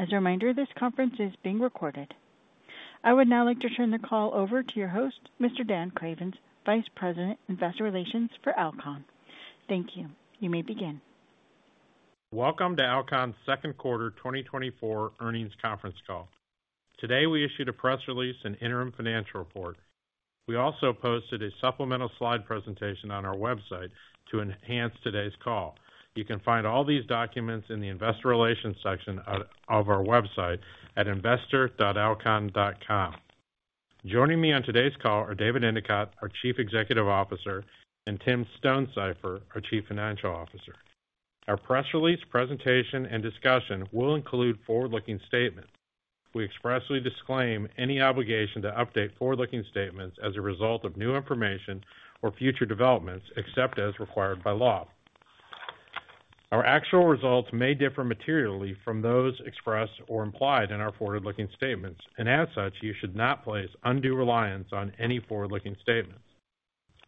As a reminder, this conference is being recorded. I would now like to turn the call over to your host, Mr. Dan Cravens, Vice President, Investor Relations for Alcon. Thank you. You may begin. Welcome to Alcon's second quarter 2024 earnings conference call. Today, we issued a press release and interim financial report. We also posted a supplemental slide presentation on our website to enhance today's call. You can find all these documents in the investor relations section of our website at investor.alcon.com. Joining me on today's call are David Endicott, our Chief Executive Officer, and Tim Stonesifer, our Chief Financial Officer. Our press release, presentation, and discussion will include forward-looking statements. We expressly disclaim any obligation to update forward-looking statements as a result of new information or future developments, except as required by law. Our actual results may differ materially from those expressed or implied in our forward-looking statements, and as such, you should not place undue reliance on any forward-looking statements.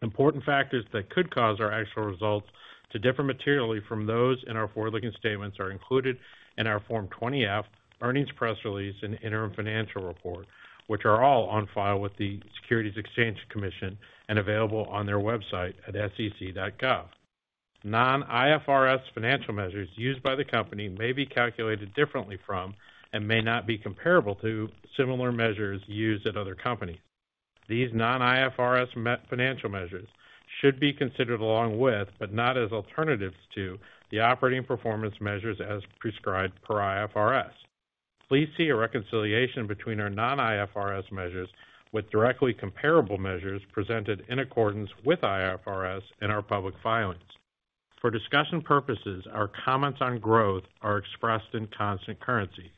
Important factors that could cause our actual results to differ materially from those in our forward-looking statements are included in our Form 20-F, earnings press release, and interim financial report, which are all on file with the Securities and Exchange Commission and available on their website at sec.gov. Non-IFRS financial measures used by the company may be calculated differently from, and may not be comparable to, similar measures used at other companies. These non-IFRS financial measures should be considered along with, but not as alternatives to, the operating performance measures as prescribed per IFRS. Please see a reconciliation between our non-IFRS measures with directly comparable measures presented in accordance with IFRS in our public filings. For discussion purposes, our comments on growth are expressed in constant currency.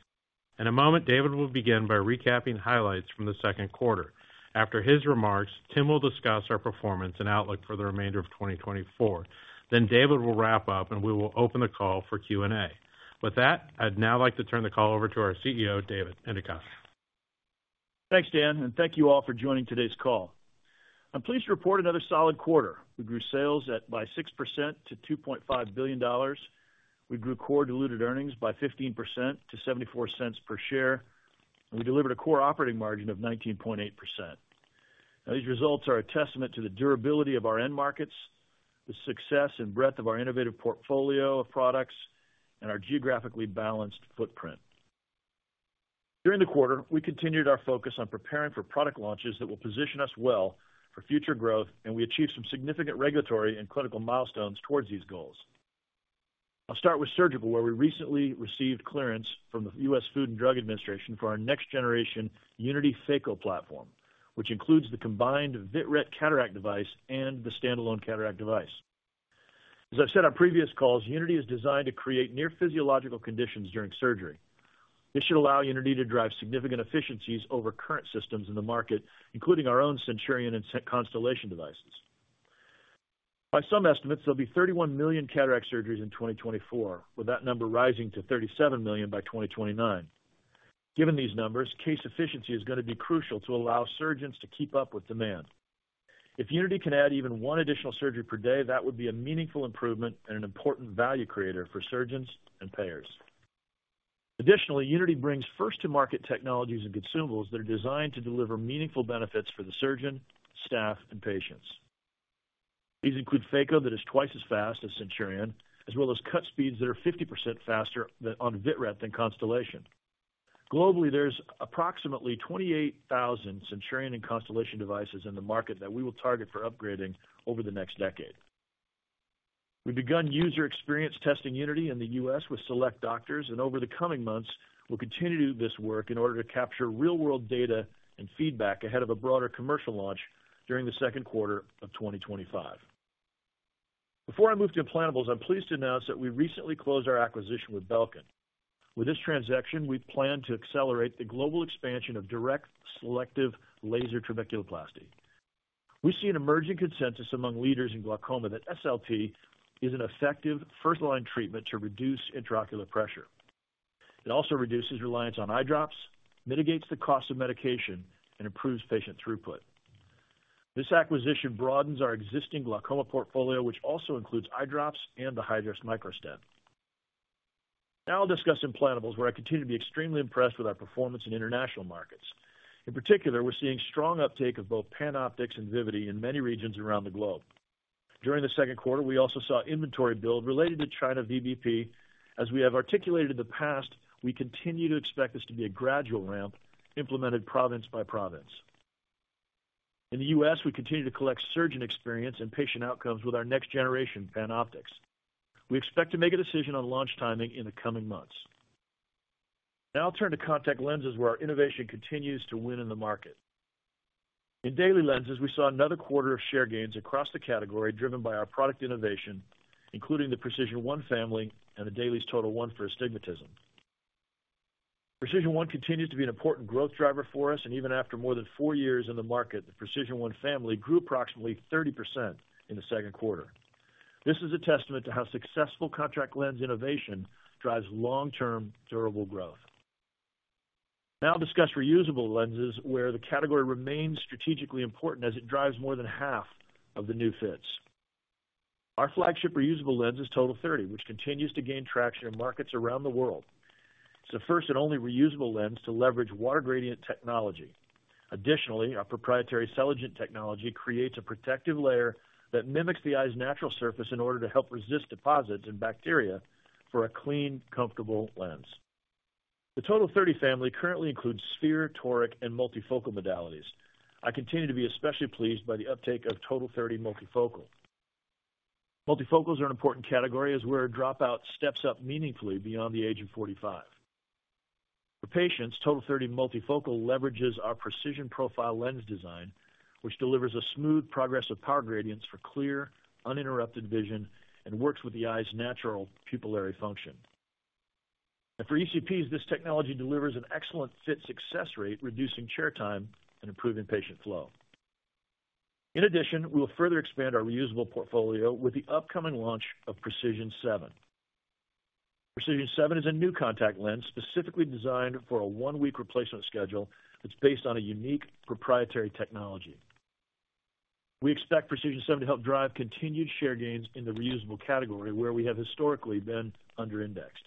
In a moment, David will begin by recapping highlights from the second quarter. After his remarks, Tim will discuss our performance and outlook for the remainder of 2024. Then David will wrap up, and we will open the call for Q&A. With that, I'd now like to turn the call over to our CEO, David Endicott. Thanks, Dan, and thank you all for joining today's call. I'm pleased to report another solid quarter. We grew sales by 6% to $2.5 billion. We grew core diluted earnings by 15% to $0.74 per share, and we delivered a core operating margin of 19.8%. Now, these results are a testament to the durability of our end markets, the success and breadth of our innovative portfolio of products, and our geographically balanced footprint. During the quarter, we continued our focus on preparing for product launches that will position us well for future growth, and we achieved some significant regulatory and clinical milestones towards these goals. I'll start with surgical, where we recently received clearance from the U.S. Food and Drug Administration for our next-generation Unity Phaco platform, which includes the combined vitrectomy cataract device and the standalone cataract device. As I've said on previous calls, Unity is designed to create near physiological conditions during surgery. This should allow Unity to drive significant efficiencies over current systems in the market, including our own Centurion and Constellation devices. By some estimates, there'll be 31 million cataract surgeries in 2024, with that number rising to 37 million by 2029. Given these numbers, case efficiency is going to be crucial to allow surgeons to keep up with demand. If Unity can add even one additional surgery per day, that would be a meaningful improvement and an important value creator for surgeons and payers. Additionally, Unity brings first to market technologies and consumables that are designed to deliver meaningful benefits for the surgeon, staff, and patients. These include Phaco, that is twice as fast as Centurion, as well as cut speeds that are 50% faster than on vitrectomy than Constellation. Globally, there's approximately 28,000 Centurion and Constellation devices in the market that we will target for upgrading over the next decade. We've begun user experience testing Unity in the U.S. with select doctors, and over the coming months, we'll continue this work in order to capture real-world data and feedback ahead of a broader commercial launch during the second quarter of 2025. Before I move to implantables, I'm pleased to announce that we recently closed our acquisition with Belkin. With this transaction, we plan to accelerate the global expansion of direct selective laser trabeculoplasty. We see an emerging consensus among leaders in glaucoma that SLT is an effective first-line treatment to reduce intraocular pressure. It also reduces reliance on eye drops, mitigates the cost of medication, and improves patient throughput. This acquisition broadens our existing glaucoma portfolio, which also includes eye drops and the Hydrus Microstent. Now I'll discuss implantables, where I continue to be extremely impressed with our performance in international markets. In particular, we're seeing strong uptake of both PanOptix and Vivity in many regions around the globe. During the second quarter, we also saw inventory build related to China VBP. As we have articulated in the past, we continue to expect this to be a gradual ramp implemented province by province. In the U.S., we continue to collect surgeon experience and patient outcomes with our next generation PanOptix. We expect to make a decision on launch timing in the coming months. Now I'll turn to contact lenses, where our innovation continues to win in the market. In daily lenses, we saw another quarter of share gains across the category, driven by our product innovation, including the PRECISION1 family and the DAILIES TOTAL1 for astigmatism. PRECISION1 continues to be an important growth driver for us, and even after more than four years in the market, the PRECISION1 family grew approximately 30% in the second quarter. This is a testament to how successful contact lens innovation drives long-term, durable growth. Now I'll discuss reusable lenses, where the category remains strategically important as it drives more than half of the new fits. Our flagship reusable lens is TOTAL30, which continues to gain traction in markets around the world. It's the first and only reusable lens to leverage water gradient technology. Additionally, our proprietary Celligent technology creates a protective layer that mimics the eye's natural surface in order to help resist deposits and bacteria for a clean, comfortable lens. The TOTAL30 family currently includes sphere, toric, and multifocal modalities. I continue to be especially pleased by the uptake of TOTAL30 multifocal. Multifocals are an important category, as wear dropout steps up meaningfully beyond the age of 45. For patients, TOTAL30 multifocal leverages our Precision Profile lens design, which delivers a smooth progressive power gradients for clear, uninterrupted vision and works with the eye's natural pupillary function. And for ECPs, this technology delivers an excellent fit success rate, reducing chair time and improving patient flow. In addition, we will further expand our reusable portfolio with the upcoming launch of PRECISION7. PRECISION7 is a new contact lens, specifically designed for a one-week replacement schedule that's based on a unique proprietary technology. We expect PRECISION7 to help drive continued share gains in the reusable category, where we have historically been under-indexed.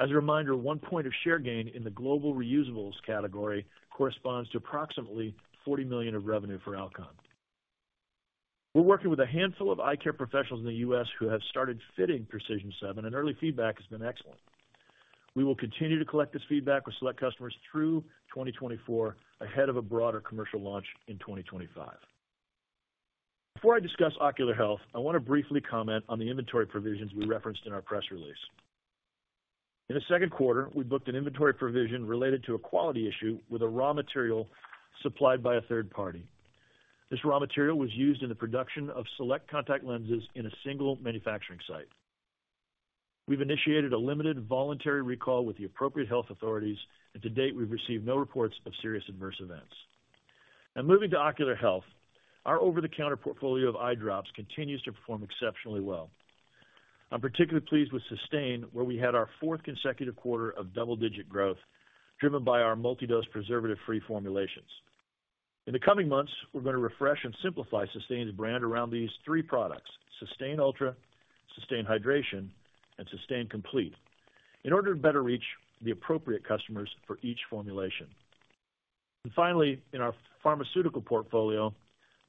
As a reminder, one point of share gain in the global reusables category corresponds to approximately $40 million of revenue for Alcon. We're working with a handful of eye care professionals in the U.S. who have started fitting PRECISION7, and early feedback has been excellent. We will continue to collect this feedback with select customers through 2024, ahead of a broader commercial launch in 2025. Before I discuss ocular health, I want to briefly comment on the inventory provisions we referenced in our press release. In the second quarter, we booked an inventory provision related to a quality issue with a raw material supplied by a third party. This raw material was used in the production of select contact lenses in a single manufacturing site. We've initiated a limited voluntary recall with the appropriate health authorities, and to date, we've received no reports of serious adverse events. Now moving to ocular health, our over-the-counter portfolio of eye drops continues to perform exceptionally well. I'm particularly pleased with Systane, where we had our fourth consecutive quarter of double-digit growth, driven by our multi-dose preservative-free formulations. In the coming months, we're going to refresh and simplify Systane's brand around these three products, Systane Ultra, Systane Hydration, and Systane Complete, in order to better reach the appropriate customers for each formulation. And finally, in our pharmaceutical portfolio,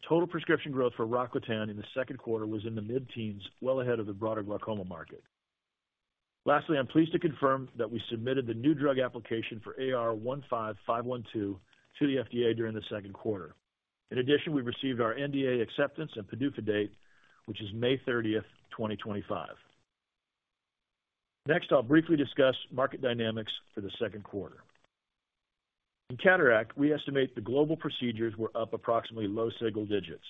total prescription growth for Rocklatan in the second quarter was in the mid-teens, well ahead of the broader glaucoma market. Lastly, I'm pleased to confirm that we submitted the New Drug Application for AR-15512 to the FDA during the second quarter. In addition, we received our NDA acceptance and PDUFA date, which is 30 May 2025. Next, I'll briefly discuss market dynamics for the second quarter. In cataract, we estimate the global procedures were up approximately low single digits.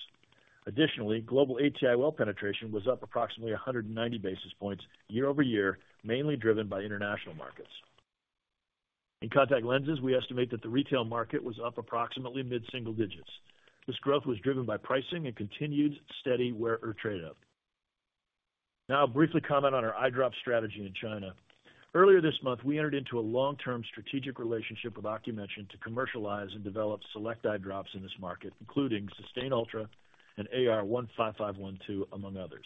Additionally, global ATIOL penetration was up approximately a 190 basis points year-over-year, mainly driven by international markets. In contact lenses, we estimate that the retail market was up approximately mid-single digits. This growth was driven by pricing and continued steady wearer trade-up. Now I'll briefly comment on our eye drop strategy in China. Earlier this month, we entered into a long-term strategic relationship with Ocumension to commercialize and develop select eye drops in this market, including Systane Ultra and AR-15512, among others.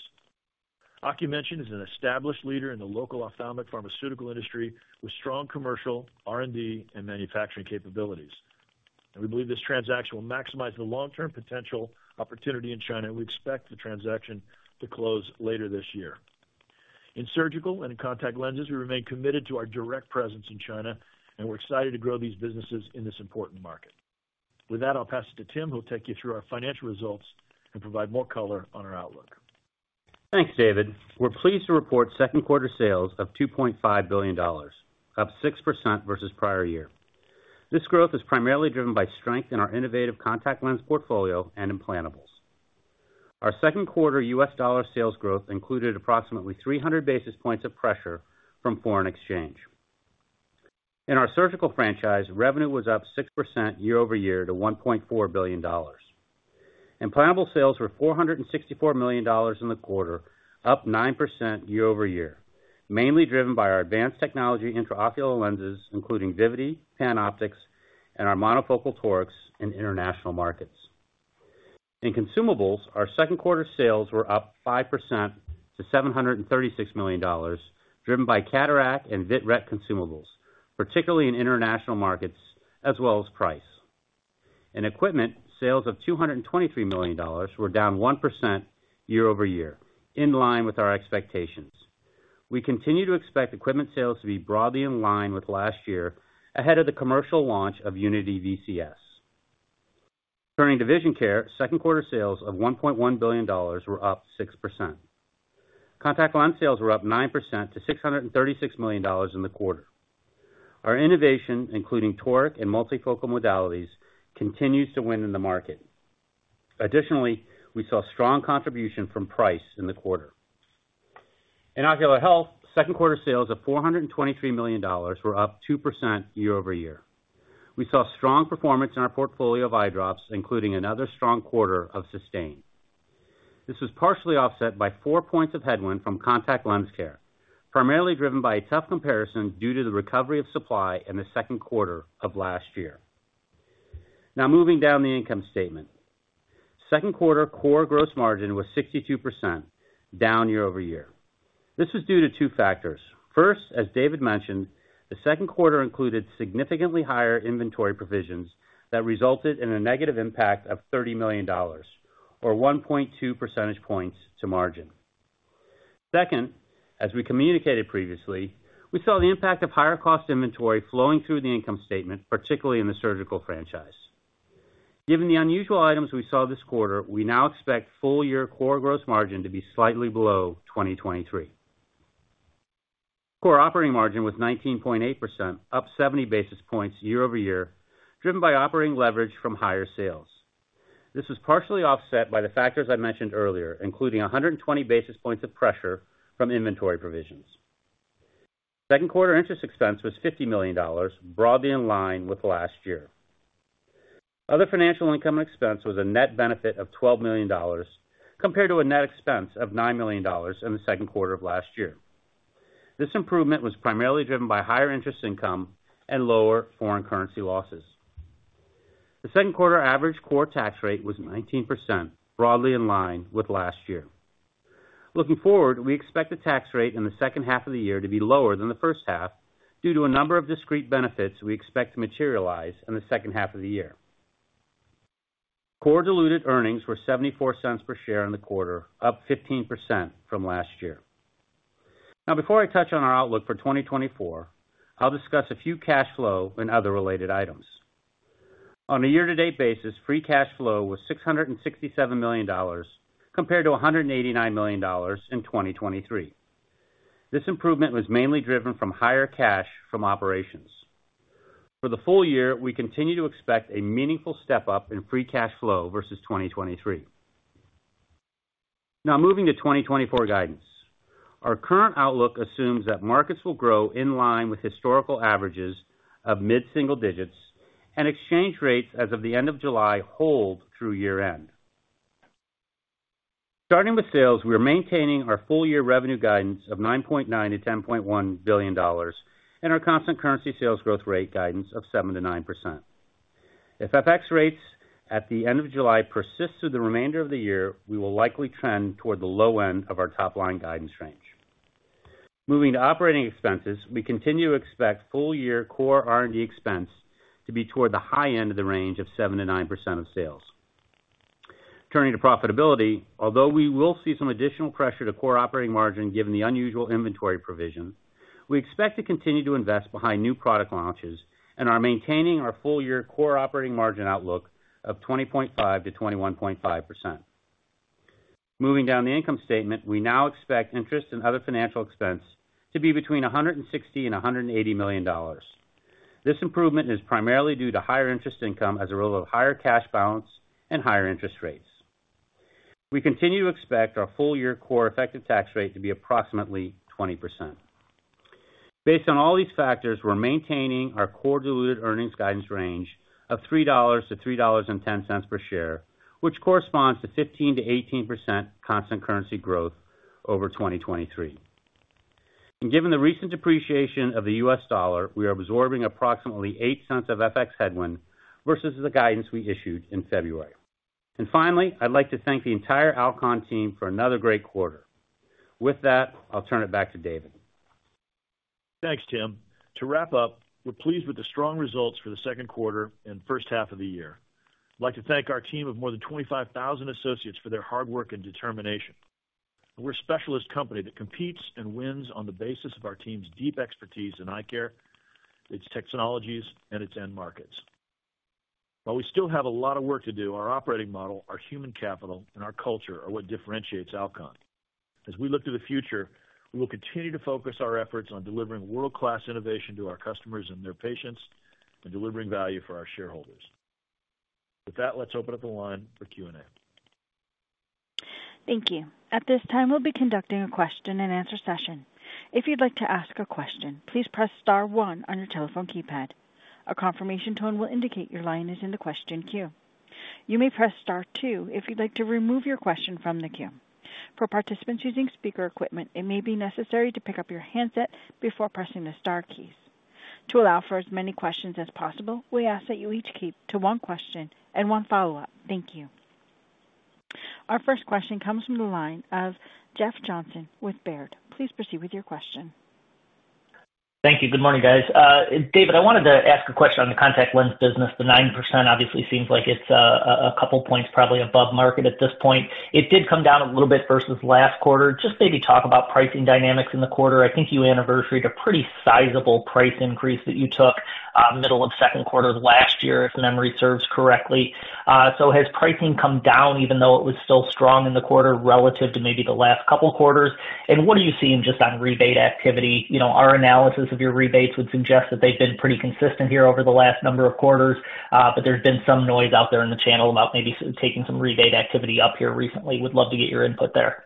Ocumension is an established leader in the local ophthalmic pharmaceutical industry, with strong commercial, R&D, and manufacturing capabilities, and we believe this transaction will maximize the long-term potential opportunity in China, and we expect the transaction to close later this year. In surgical and in contact lenses, we remain committed to our direct presence in China, and we're excited to grow these businesses in this important market. With that, I'll pass it to Tim, who will take you through our financial results and provide more color on our outlook. Thanks, David. We're pleased to report second quarter sales of $2.5 billion, up 6% versus prior year. This growth is primarily driven by strength in our innovative contact lens portfolio and implantables. Our second quarter U.S. dollar sales growth included approximately 300 basis points of pressure from foreign exchange. In our surgical franchise, revenue was up 6% year-over-year to $1.4 billion. Implantable sales were $464 million in the quarter, up 9% year-over-year, mainly driven by our advanced technology intraocular lenses, including Vivity, PanOptix, and our monofocal toric in international markets. In consumables, our second quarter sales were up 5% to $736 million, driven by cataract and vitrectomy consumables, particularly in international markets, as well as price. In equipment, sales of $223 million were down 1% year-over-year, in line with our expectations. We continue to expect equipment sales to be broadly in line with last year ahead of the commercial launch of Unity VCS. Turning to Vision Care, second quarter sales of $1.1 billion were up 6%. Contact lens sales were up 9% to $636 million in the quarter. Our innovation, including toric and multifocal modalities, continues to win in the market. Additionally, we saw strong contribution from price in the quarter. In Ocular Health, second quarter sales of $423 million were up 2% year-over-year. We saw strong performance in our portfolio of eye drops, including another strong quarter of Systane. This was partially offset by four points of headwind from contact lens care, primarily driven by a tough comparison due to the recovery of supply in the second quarter of last year. Now, moving down the income statement. Second quarter core gross margin was 62%, down year-over-year. This was due to two factors. First, as David mentioned, the second quarter included significantly higher inventory provisions that resulted in a negative impact of $30 million, or 1.2 percentage points to margin. Second, as we communicated previously, we saw the impact of higher cost inventory flowing through the income statement, particularly in the surgical franchise. Given the unusual items we saw this quarter, we now expect full year core gross margin to be slightly below 2023. Core operating margin was 19.8%, up 70 basis points year-over-year, driven by operating leverage from higher sales. This was partially offset by the factors I mentioned earlier, including 120 basis points of pressure from inventory provisions. Second quarter interest expense was $50 million, broadly in line with last year. Other financial income expense was a net benefit of $12 million, compared to a net expense of $9 million in the second quarter of last year. This improvement was primarily driven by higher interest income and lower foreign currency losses. The second quarter average core tax rate was 19%, broadly in line with last year. Looking forward, we expect the tax rate in the second half of the year to be lower than the first half due to a number of discrete benefits we expect to materialize in the second half of the year. Core Diluted Earnings were $0.74 per share in the quarter, up 15% from last year. Now, before I touch on our outlook for 2024, I'll discuss a few cash flow and other related items. On a year-to-date basis, free cash flow was $667 million, compared to $189 million in 2023. This improvement was mainly driven from higher cash from operations. For the full year, we continue to expect a meaningful step up in free cash flow versus 2023. Now, moving to 2024 guidance. Our current outlook assumes that markets will grow in line with historical averages of mid-single digits, and exchange rates as of the end of July hold through year-end. Starting with sales, we are maintaining our full-year revenue guidance of $9.9 billion-$10.1 billion, and our constant currency sales growth rate guidance of 7-9%. If FX rates at the end of July persist through the remainder of the year, we will likely trend toward the low end of our top line guidance range. Moving to operating expenses, we continue to expect full year core R&D expense to be toward the high end of the range of 7-9% of sales. Turning to profitability, although we will see some additional pressure to core operating margin given the unusual inventory provision, we expect to continue to invest behind new product launches and are maintaining our full year core operating margin outlook of 20.5%-21.5%. Moving down the income statement, we now expect interest and other financial expense to be between $160 million and $180 million. This improvement is primarily due to higher interest income as a result of higher cash balance and higher interest rates. We continue to expect our full year core effective tax rate to be approximately 20%. Based on all these factors, we're maintaining our core diluted earnings guidance range of $3 to $3.10 per share, which corresponds to 15%-18% constant currency growth over 2023. Given the recent depreciation of the U.S. dollar, we are absorbing approximately $0.08 of FX headwind versus the guidance we issued in February. And finally, I'd like to thank the entire Alcon team for another great quarter. With that, I'll turn it back to David. Thanks, Tim. To wrap up, we're pleased with the strong results for the second quarter and first half of the year. I'd like to thank our team of more than 25,000associates for their hard work and determination. We're a specialist company that competes and wins on the basis of our team's deep expertise in eye care, its technologies, and its end markets. While we still have a lot of work to do, our operating model, our human capital, and our culture are what differentiates Alcon. As we look to the future, we will continue to focus our efforts on delivering world-class innovation to our customers and their patients, and delivering value for our shareholders. With that, let's open up the line for Q&A. Thank you. At this time, we'll be conducting a question-and-answer session. If you'd like to ask a question, please press star one on your telephone keypad. A confirmation tone will indicate your line is in the question queue. You may press Star two if you'd like to remove your question from the queue. For participants using speaker equipment, it may be necessary to pick up your handset before pressing the star keys. To allow for as many questions as possible, we ask that you each keep to one question and one follow-up. Thank you. Our first question comes from the line of Jeff Johnson with Baird. Please proceed with your question. Thank you. Good morning, guys. David, I wanted to ask a question on the contact lens business. The 9% obviously seems like it's a couple points probably above market at this point. It did come down a little bit versus last quarter. Just maybe talk about pricing dynamics in the quarter. I think you anniversaried a pretty sizable price increase that you took middle of second quarter of last year, if memory serves correctly. So has pricing come down, even though it was still strong in the quarter relative to maybe the last couple of quarters? And what are you seeing just on rebate activity? You know, our analysis of your rebates would suggest that they've been pretty consistent here over the last number of quarters, but there's been some noise out there in the channel about maybe taking some rebate activity up here recently. Would love to get your input there.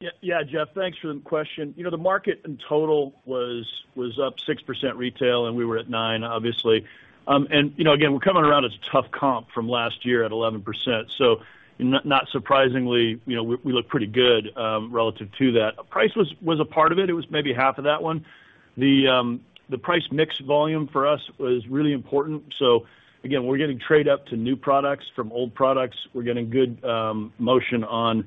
Yeah, yeah, Jeff, thanks for the question. You know, the market in total was up 6% retail, and we were at 9%, obviously, and you know, again, we're coming around as a tough comp from last year at 11%. So not surprisingly, you know, we look pretty good relative to that. Price was a part of it. It was maybe half of that one. The price mix volume for us was really important. So again, we're getting trade up to new products from old products. We're getting good motion on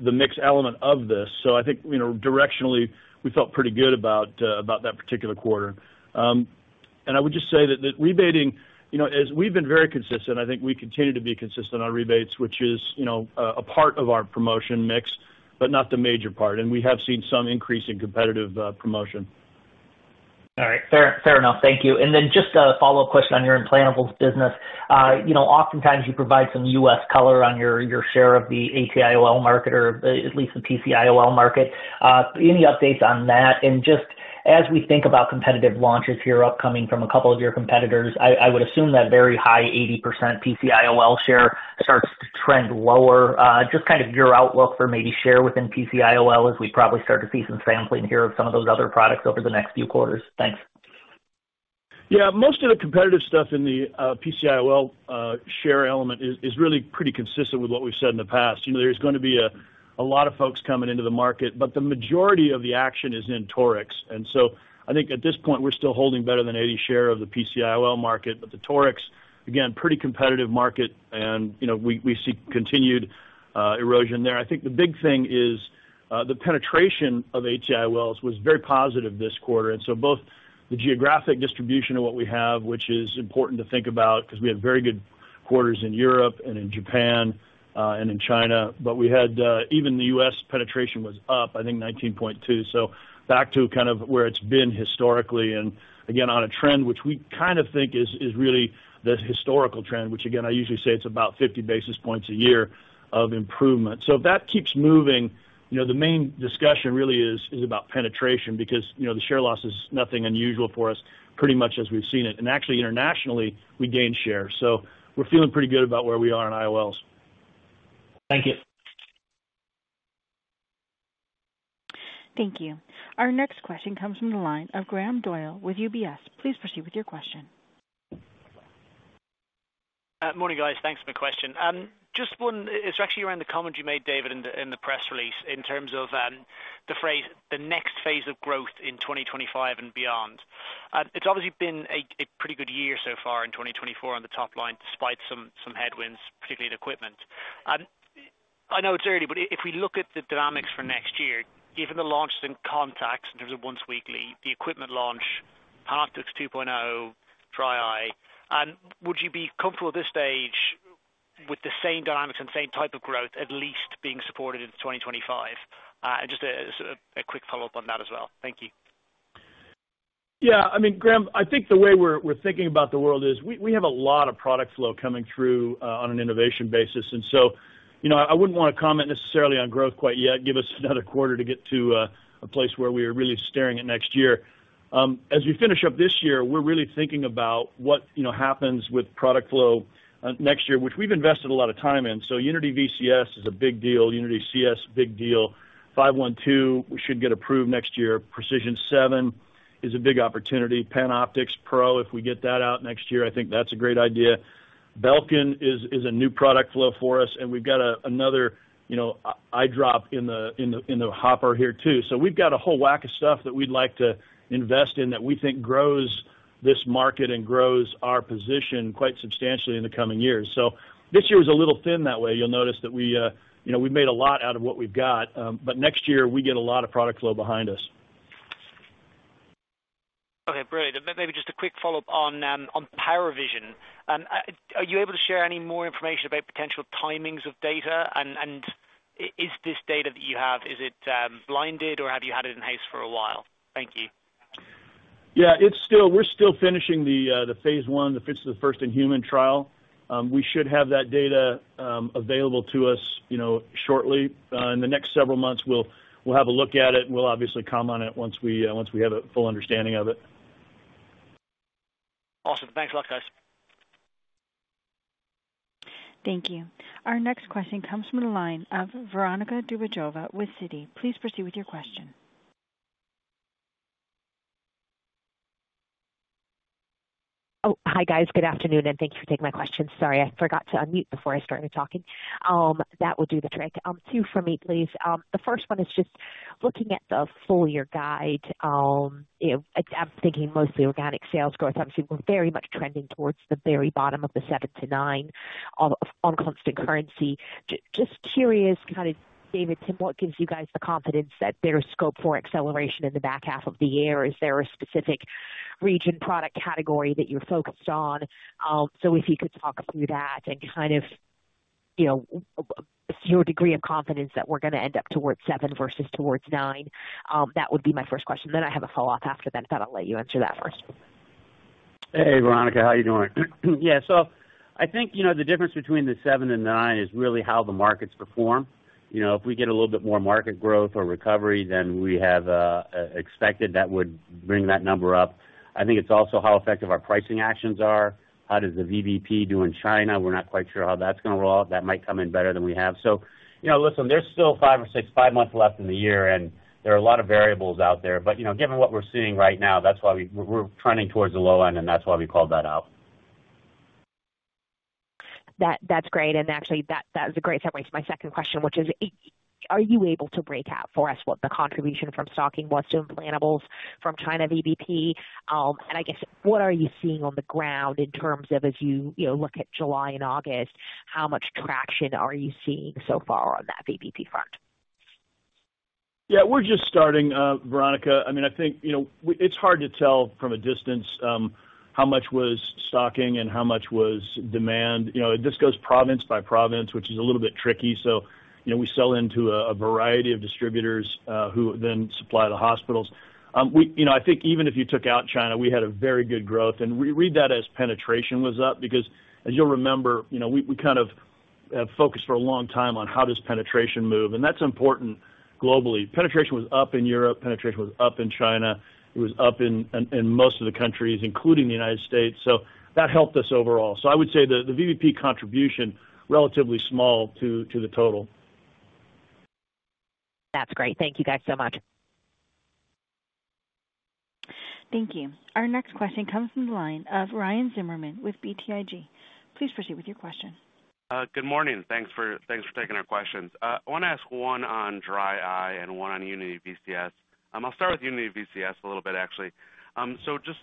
the mix element of this. So I think, you know, directionally, we felt pretty good about about that particular quarter. And I would just say that that rebating, you know, as we've been very consistent, I think we continue to be consistent on rebates, which is, you know, a part of our promotion mix, but not the major part, and we have seen some increase in competitive promotion. All right. Fair, fair enough. Thank you. And then just a follow-up question on your implantables business. You know, oftentimes, you provide some U.S. color on your share of the ATIOL market or at least the PCIOL market. Any updates on that? And just as we think about competitive launches here, upcoming from a couple of your competitors, I would assume that very high 80% PCIOL share starts to trend lower. Just kind of your outlook for maybe share within PCIOL, as we probably start to see some sampling here of some of those other products over the next few quarters. Thanks. Yeah, most of the competitive stuff in the PCIOL share element is really pretty consistent with what we've said in the past. You know, there's gonna be a lot of folks coming into the market, but the majority of the action is in toric. And so I think at this point, we're still holding better than 80% share of the PCIOL market, but the toric, again, pretty competitive market and, you know, we see continued erosion there. I think the big thing is the penetration of ATIOLs was very positive this quarter, and so both the geographic distribution of what we have, which is important to think about because we had very good quarters in Europe and in Japan and in China, but we had even the US penetration was up, I think, 19.2%. So back to kind of where it's been historically, and again, on a trend, which we kind of think is really the historical trend, which again, I usually say it's about 50 basis points a year of improvement. So if that keeps moving, you know, the main discussion really is about penetration because, you know, the share loss is nothing unusual for us, pretty much as we've seen it. And actually, internationally, we gained share. So we're feeling pretty good about where we are in IOLs. Thank you. Thank you. Our next question comes from the line of Graham Doyle with UBS. Please proceed with your question. Morning, guys. Thanks for the question. Just one, it's actually around the comment you made, David, in the press release in terms of the phrase, "The next phase of growth in 2025 and beyond." It's obviously been a pretty good year so far in 2024 on the top line, despite some headwinds, particularly in equipment. And I know it's early, but if we look at the dynamics for next year, given the launches and contacts in terms of once weekly, the equipment launch, PanOptix 2.0, Dry Eye, would you be comfortable at this stage with the same dynamics and same type of growth, at least being supported into2025? And just a quick follow-up on that as well. Thank you. Yeah, I mean, Graham, I think the way we're thinking about the world is we have a lot of product flow coming through on an innovation basis. And so, you know, I wouldn't want to comment necessarily on growth quite yet. Give us another quarter to get to a place where we are really staring at next year. As we finish up this year, we're really thinking about what, you know, happens with product flow next year, which we've invested a lot of time in. So Unity VCS is a big deal. Unity CS, big deal. 512, we should get approved next year. PRECISION7 is a big opportunity. PanOptix Pro, if we get that out next year, I think that's a great idea. Belkin is a new product flow for us, and we've got another, you know, eye drop in the hopper here, too. So we've got a whole whack of stuff that we'd like to invest in, that we think grows this market and grows our position quite substantially in the coming years. So this year is a little thin that way. You'll notice that we, you know, we've made a lot out of what we've got, but next year, we get a lot of product flow behind us. Okay, brilliant. Maybe just a quick follow-up on Paravision. Are you able to share any more information about potential timings of data? And is this data that you have, is it blinded, or have you had it in-house for a while? Thank you. Yeah, it's still. We're still finishing the phase I, the first in human trial. We should have that data available to us, you know, shortly. In the next several months, we'll have a look at it, and we'll obviously comment on it once we have a full understanding of it. Awesome. Thanks a lot, guys. Thank you. Our next question comes from the line of Veronika Dubajova with Citi. Please proceed with your question. Oh, hi, guys. Good afternoon, and thank you for taking my question. Sorry, I forgot to unmute before I started talking. That will do the trick. Two for me, please. The first one is just looking at the full year guide, you know, I'm thinking mostly organic sales growth. Obviously, we're very much trending towards the very bottom of the seven to nine on constant currency. Just curious, kind of, David, Tim, what gives you guys the confidence that there's scope for acceleration in the back half of the year? Is there a specific region, product category that you're focused on? So if you could talk through that and kind of, you know, your degree of confidence that we're gonna end up towards seven versus towards nine, that would be my first question. Then I have a follow-up after that, but I'll let you answer that first. Hey, Veronica, how are you doing? Yeah, so I think, you know, the difference between the seven and nine is really how the markets perform. You know, if we get a little bit more market growth or recovery than we have expected, that would bring that number up. I think it's also how effective our pricing actions are. How does the VBP do in China? We're not quite sure how that's gonna roll out. That might come in better than we have. So, you know, listen, there's still five or six months left in the year, and there are a lot of variables out there. But, you know, given what we're seeing right now, that's why we're trending towards the low end, and that's why we called that out. That, that's great, and actually, that, that was a great segue to my second question, which is, are you able to break out for us what the contribution from stocking was to implantables from China VBP? And I guess, what are you seeing on the ground in terms of as you, you know, look at July and August, how much traction are you seeing so far on that VBP front? Yeah, we're just starting, Veronica. I mean, I think, you know, it's hard to tell from a distance how much was stocking and how much was demand. You know, this goes province by province, which is a little bit tricky. So, you know, we sell into a variety of distributors who then supply the hospitals. You know, I think even if you took out China, we had a very good growth, and read that as penetration was up, because as you'll remember, you know, we kind of focused for a long time on how does penetration move, and that's important globally. Penetration was up in Europe, penetration was up in China, it was up in most of the countries, including the United States, so that helped us overall. So I would say the VBP contribution, relatively small to the total. That's great. Thank you, guys, so much. Thank you. Our next question comes from the line of Ryan Zimmerman with BTIG. Please proceed with your question. Good morning. Thanks for taking our questions. I wanna ask one on dry eye and one on Unity VCS. I'll start with Unity VCS a little bit, actually. So just,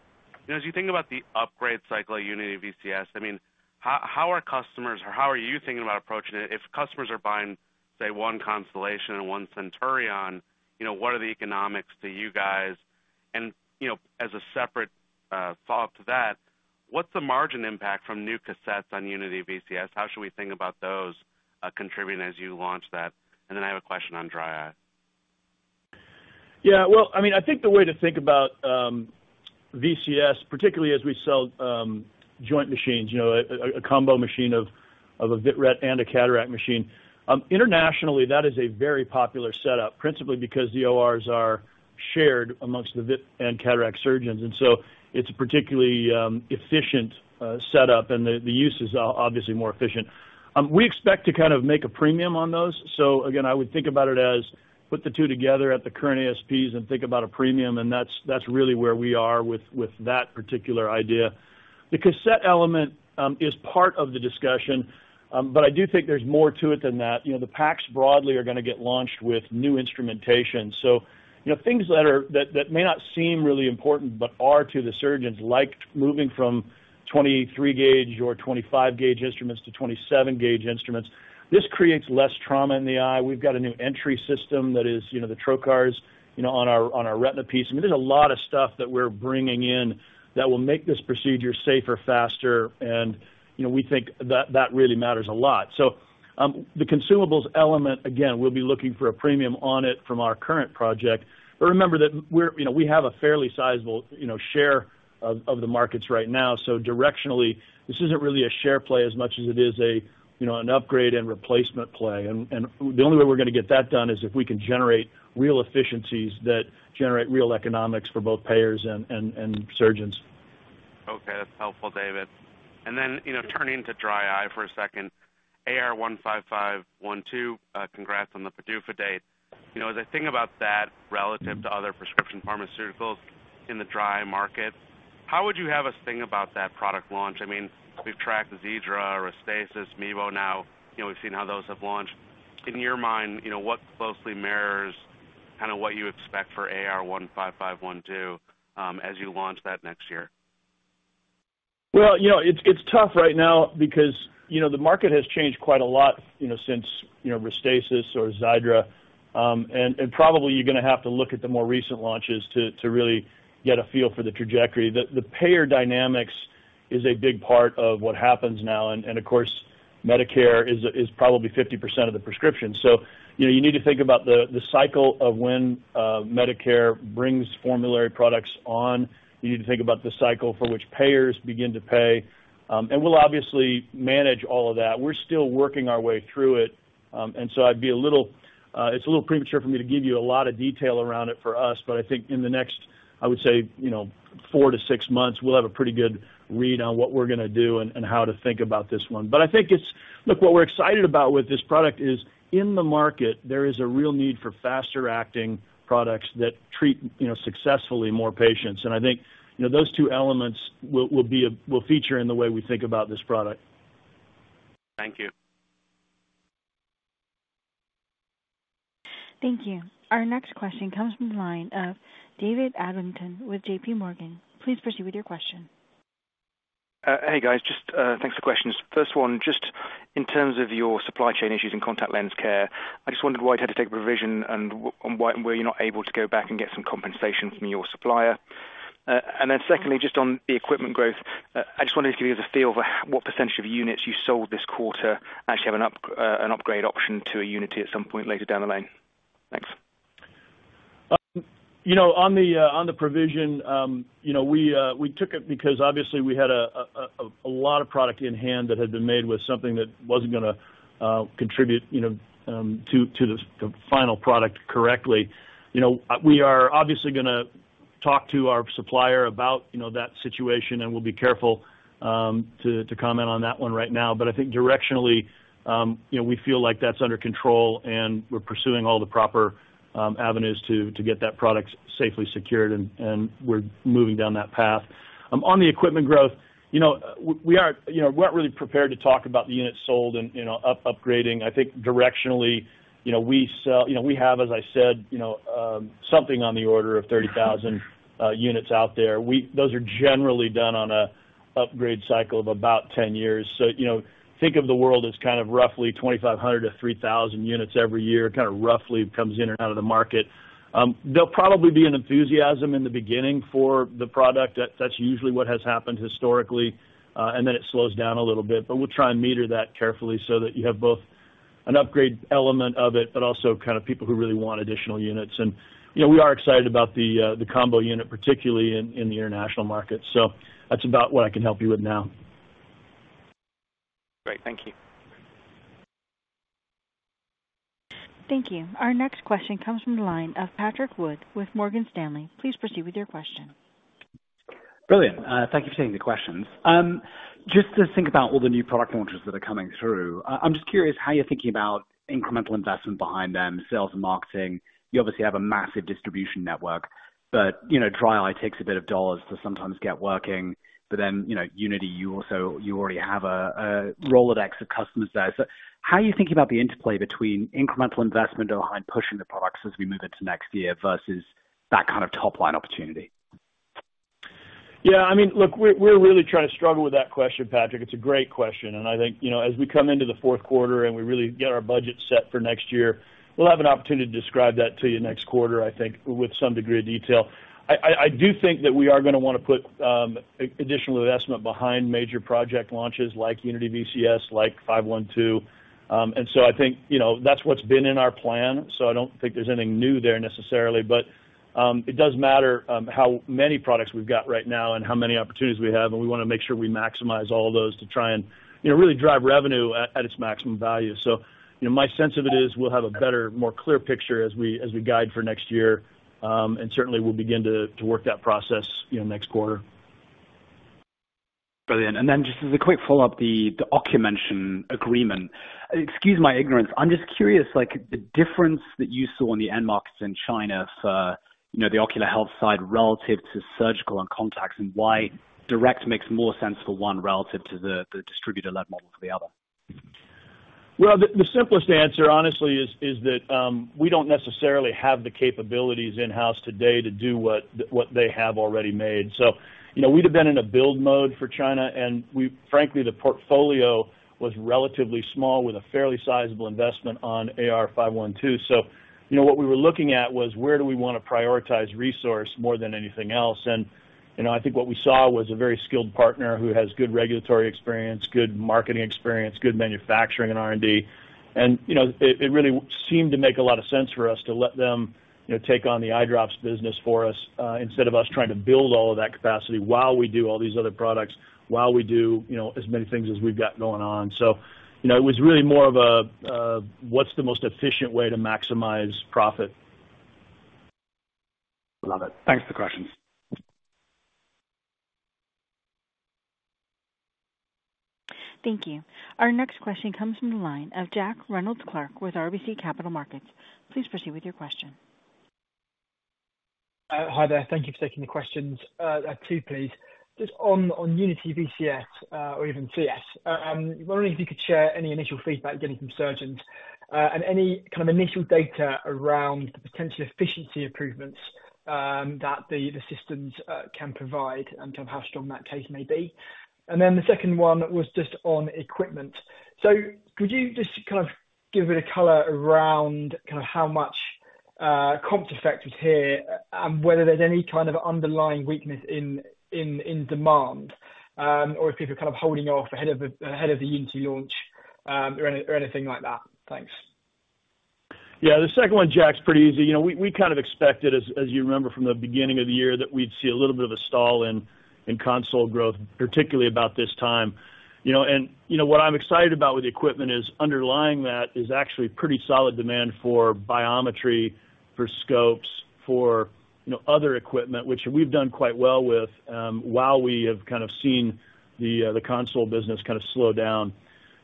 you know, as you think about the upgrade cycle at Unity VCS, I mean, how are customers, or how are you thinking about approaching it? If customers are buying, say, one Constellation and one Centurion, you know, what are the economics to you guys? And, you know, as a separate follow-up to that, what's the margin impact from new cassettes on Unity VCS? How should we think about those contributing as you launch that? And then I have a question on dry eye. Yeah, well, I mean, I think the way to think about VCS, particularly as we sell joint machines, you know, a combo machine of a vitrectomy and a cataract machine. Internationally, that is a very popular setup, principally because the ORs are shared amongst the vit and cataract surgeons, and so it's a particularly efficient setup, and the use is obviously more efficient. We expect to kind of make a premium on those. So again, I would think about it as put the two together at the current ASPs and think about a premium, and that's really where we are with that particular idea. The cassette element is part of the discussion, but I do think there's more to it than that. You know, the packs broadly are gonna get launched with new instrumentation. So you know, things that are that may not seem really important but are to the surgeons, like moving from 23-gauge or 25-gauge instruments to 27-gauge instruments. This creates less trauma in the eye. We've got a new entry system that is you know the trocars you know on our retina piece. I mean, there's a lot of stuff that we're bringing in that will make this procedure safer, faster, and you know we think that really matters a lot. So, the consumables element, again, we'll be looking for a premium on it from our current project. But remember that we're you know we have a fairly sizable you know share of the markets right now, so directionally, this isn't really a share play as much as it is a you know an upgrade and replacement play. And the only way we're gonna get that done is if we can generate real efficiencies that generate real economics for both payers and surgeons. Okay. That's helpful, David. And then, you know, turning to dry eye for a second, AR-15512, congrats on the PDUFA date. You know, as I think about that relative to other prescription pharmaceuticals in the dry eye market, how would you have us think about that product launch? I mean, we've tracked Xiidra, Restasis, MIEBO now, you know, we've seen how those have launched. In your mind, you know, what closely mirrors kind of what you expect for AR-15512, as you launch that next year? You know, it's tough right now because you know, the market has changed quite a lot, you know, since you know, Restasis or Xiidra, and probably you're gonna have to look at the more recent launches to really get a feel for the trajectory. The payer dynamics is a big part of what happens now, and of course, Medicare is probably 50% of the prescription, so you know, you need to think about the cycle of when Medicare brings formulary products on. You need to think about the cycle for which payers begin to pay, and we'll obviously manage all of that. We're still working our way through it, and so it's a little premature for me to give you a lot of detail around it for us, but I think in the next. I would say, you know, four to six months, we'll have a pretty good read on what we're gonna do and how to think about this one. But I think it's. Look, what we're excited about with this product is, in the market, there is a real need for faster-acting products that treat, you know, successfully more patients. And I think, you know, those two elements will be a feature in the way we think about this product. Thank you. Thank you. Our next question comes from the line of David Adlington with JP Morgan. Please proceed with your question. Hey, guys, just thanks for questions. First one, just in terms of your supply chain issues and contact lens care, I just wondered why you had to take a provision and why were you not able to go back and get some compensation from your supplier? And then secondly, just on the equipment growth, I just wondered if you could give us a feel for what percentage of units you sold this quarter actually have an upgrade option to a Unity at some point later down the line. Thanks. You know, on the provision, you know, we took it because obviously we had a lot of product in hand that had been made with something that wasn't gonna contribute, you know, to the final product correctly. You know, we are obviously gonna talk to our supplier about, you know, that situation, and we'll be careful to comment on that one right now. But I think directionally, you know, we feel like that's under control, and we're pursuing all the proper avenues to get that product safely secured, and we're moving down that path. On the equipment growth, you know, we are, you know, we're not really prepared to talk about the units sold and, you know, upgrading. I think directionally, you know, we sell, you know, we have, as I said, you know, something on the order of 30,000 units out there. Those are generally done on an upgrade cycle of about ten years. So, you know, think of the world as kind of roughly 2,500 to 3,000 units every year, kind of roughly comes in and out of the market. There'll probably be an enthusiasm in the beginning for the product. That's usually what has happened historically, and then it slows down a little bit, but we'll try and meter that carefully so that you have both an upgrade element of it, but also kind of people who really want additional units. And, you know, we are excited about the combo unit, particularly in the international market. That's about what I can help you with now. Great, thank you. Thank you. Our next question comes from the line of Patrick Wood with Morgan Stanley. Please proceed with your question. Brilliant. Thank you for taking the questions. Just to think about all the new product launches that are coming through, I'm just curious how you're thinking about incremental investment behind them, sales and marketing. You obviously have a massive distribution network, but, you know, dry eye takes a bit of dollars to sometimes get working. But then, you know, Unity, you already have a Rolodex of customers there. So how are you thinking about the interplay between incremental investment behind pushing the products as we move into next year versus that kind of top-line opportunity? Yeah, I mean, look, we're really trying to struggle with that question, Patrick. It's a great question, and I think, you know, as we come into the fourth quarter and we really get our budget set for next year, we'll have an opportunity to describe that to you next quarter, I think, with some degree of detail. I do think that we are gonna wanna put additional investment behind major project launches like Unity VCS, like five one two. And so I think, you know, that's what's been in our plan, so I don't think there's anything new there necessarily. But it does matter how many products we've got right now and how many opportunities we have, and we wanna make sure we maximize all of those to try and, you know, really drive revenue at its maximum value. You know, my sense of it is we'll have a better, more clear picture as we guide for next year, and certainly, we'll begin to work that process, you know, next quarter. Brilliant. And then just as a quick follow-up, the Ocumension agreement. Excuse my ignorance. I'm just curious, like, the difference that you saw in the end markets in China for, you know, the ocular health side relative to surgical and contacts, and why direct makes more sense for one, relative to the distributor-led model for the other? The simplest answer, honestly, is that we don't necessarily have the capabilities in-house today to do what they have already made. So, you know, we'd have been in a build mode for China, and frankly, the portfolio was relatively small, with a fairly sizable investment on AR-15512. So, you know, what we were looking at was: Where do we wanna prioritize resource more than anything else? And, you know, I think what we saw was a very skilled partner who has good regulatory experience, good marketing experience, good manufacturing and R&D. You know, it really seemed to make a lot of sense for us to let them, you know, take on the eye drops business for us instead of us trying to build all of that capacity while we do all these other products, while we do, you know, as many things as we've got going on. So, you know, it was really more of a "What's the most efficient way to maximize profit? Love it. Thanks for the questions. Thank you. Our next question comes from the line of Jack Reynolds-Clark with RBC Capital Markets. Please proceed with your question. Hi there. Thank you for taking the questions. I have two, please. Just on Unity VCS or even CS, wondering if you could share any initial feedback you're getting from surgeons, and any kind of initial data around the potential efficiency improvements that the systems can provide, and kind of how strong that case may be. And then the second one was just on equipment. So could you just kind of give a bit of color around kind of how much comp effect is here, and whether there's any kind of underlying weakness in demand, or if people are kind of holding off ahead of the Unity launch, or anything like that? Thanks. Yeah, the second one, Jack, is pretty easy. You know, we kind of expected, as you remember from the beginning of the year, that we'd see a little bit of a stall in console growth, particularly about this time. You know, and, you know, what I'm excited about with the equipment is underlying that is actually pretty solid demand for biometry, for scopes, for, you know, other equipment, which we've done quite well with, while we have kind of seen the console business kind of slow down.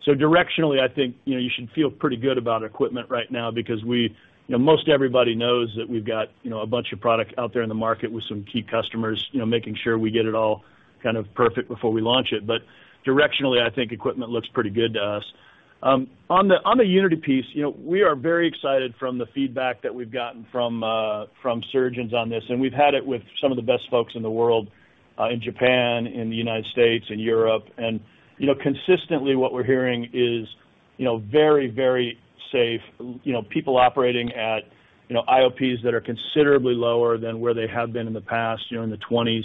So directionally, I think, you know, you should feel pretty good about our equipment right now because we. You know, most everybody knows that we've got, you know, a bunch of product out there in the market with some key customers, you know, making sure we get it all kind of perfect before we launch it. But directionally, I think equipment looks pretty good to us. On the Unity piece, you know, we are very excited from the feedback that we've gotten from surgeons on this, and we've had it with some of the best folks in the world in Japan, in the United States, in Europe. And, you know, consistently what we're hearing is, you know, very, very safe, you know, people operating at, you know, IOPs that are considerably lower than where they have been in the past, you know, in the 20s.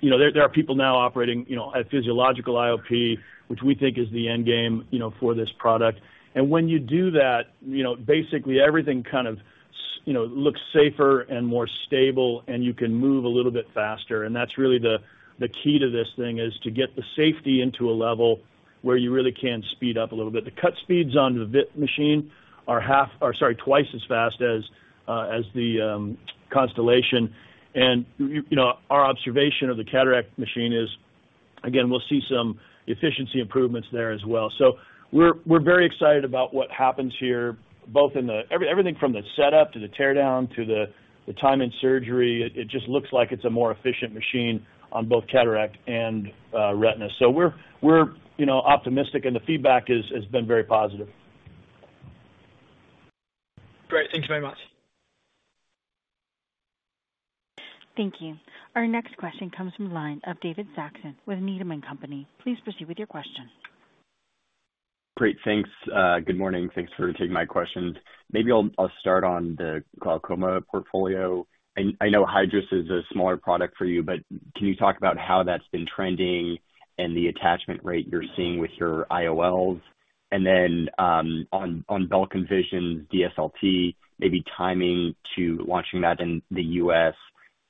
You know, there are people now operating, you know, at physiological IOP, which we think is the end game, you know, for this product. And when you do that, you know, basically everything kind of, you know, looks safer and more stable, and you can move a little bit faster. That's really the key to this thing, is to get the safety into a level where you really can speed up a little bit. The cut speeds on the vit machine are twice as fast as the Constellation. You know, our observation of the cataract machine. Again, we'll see some efficiency improvements there as well. We're you know, optimistic, and the feedback has been very positive. Great. Thank you very much. Thank you. Our next question comes from the line of David Saxon with Needham & Company. Please proceed with your question. Great, thanks. Good morning, and thanks for taking my questions. Maybe I'll start on the glaucoma portfolio. I know Hydrus is a smaller product for you, but can you talk about how that's been trending and the attachment rate you're seeing with your IOLs? And then, on BELKIN Vision, DSLT, maybe timing to launching that in the US.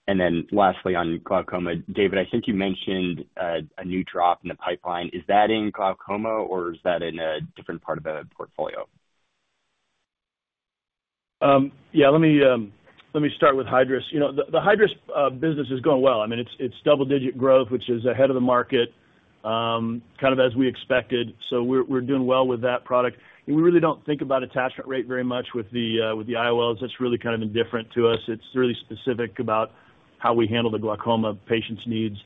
And then lastly, on glaucoma, David, I think you mentioned a new drop in the pipeline. Is that in glaucoma, or is that in a different part of the portfolio? Yeah, let me start with Hydrus. You know, the Hydrus business is going well. I mean, it's double-digit growth, which is ahead of the market, kind of as we expected, so we're doing well with that product. And we really don't think about attachment rate very much with the IOLs. That's really kind of indifferent to us. It's really specific about how we handle the glaucoma patients' needs.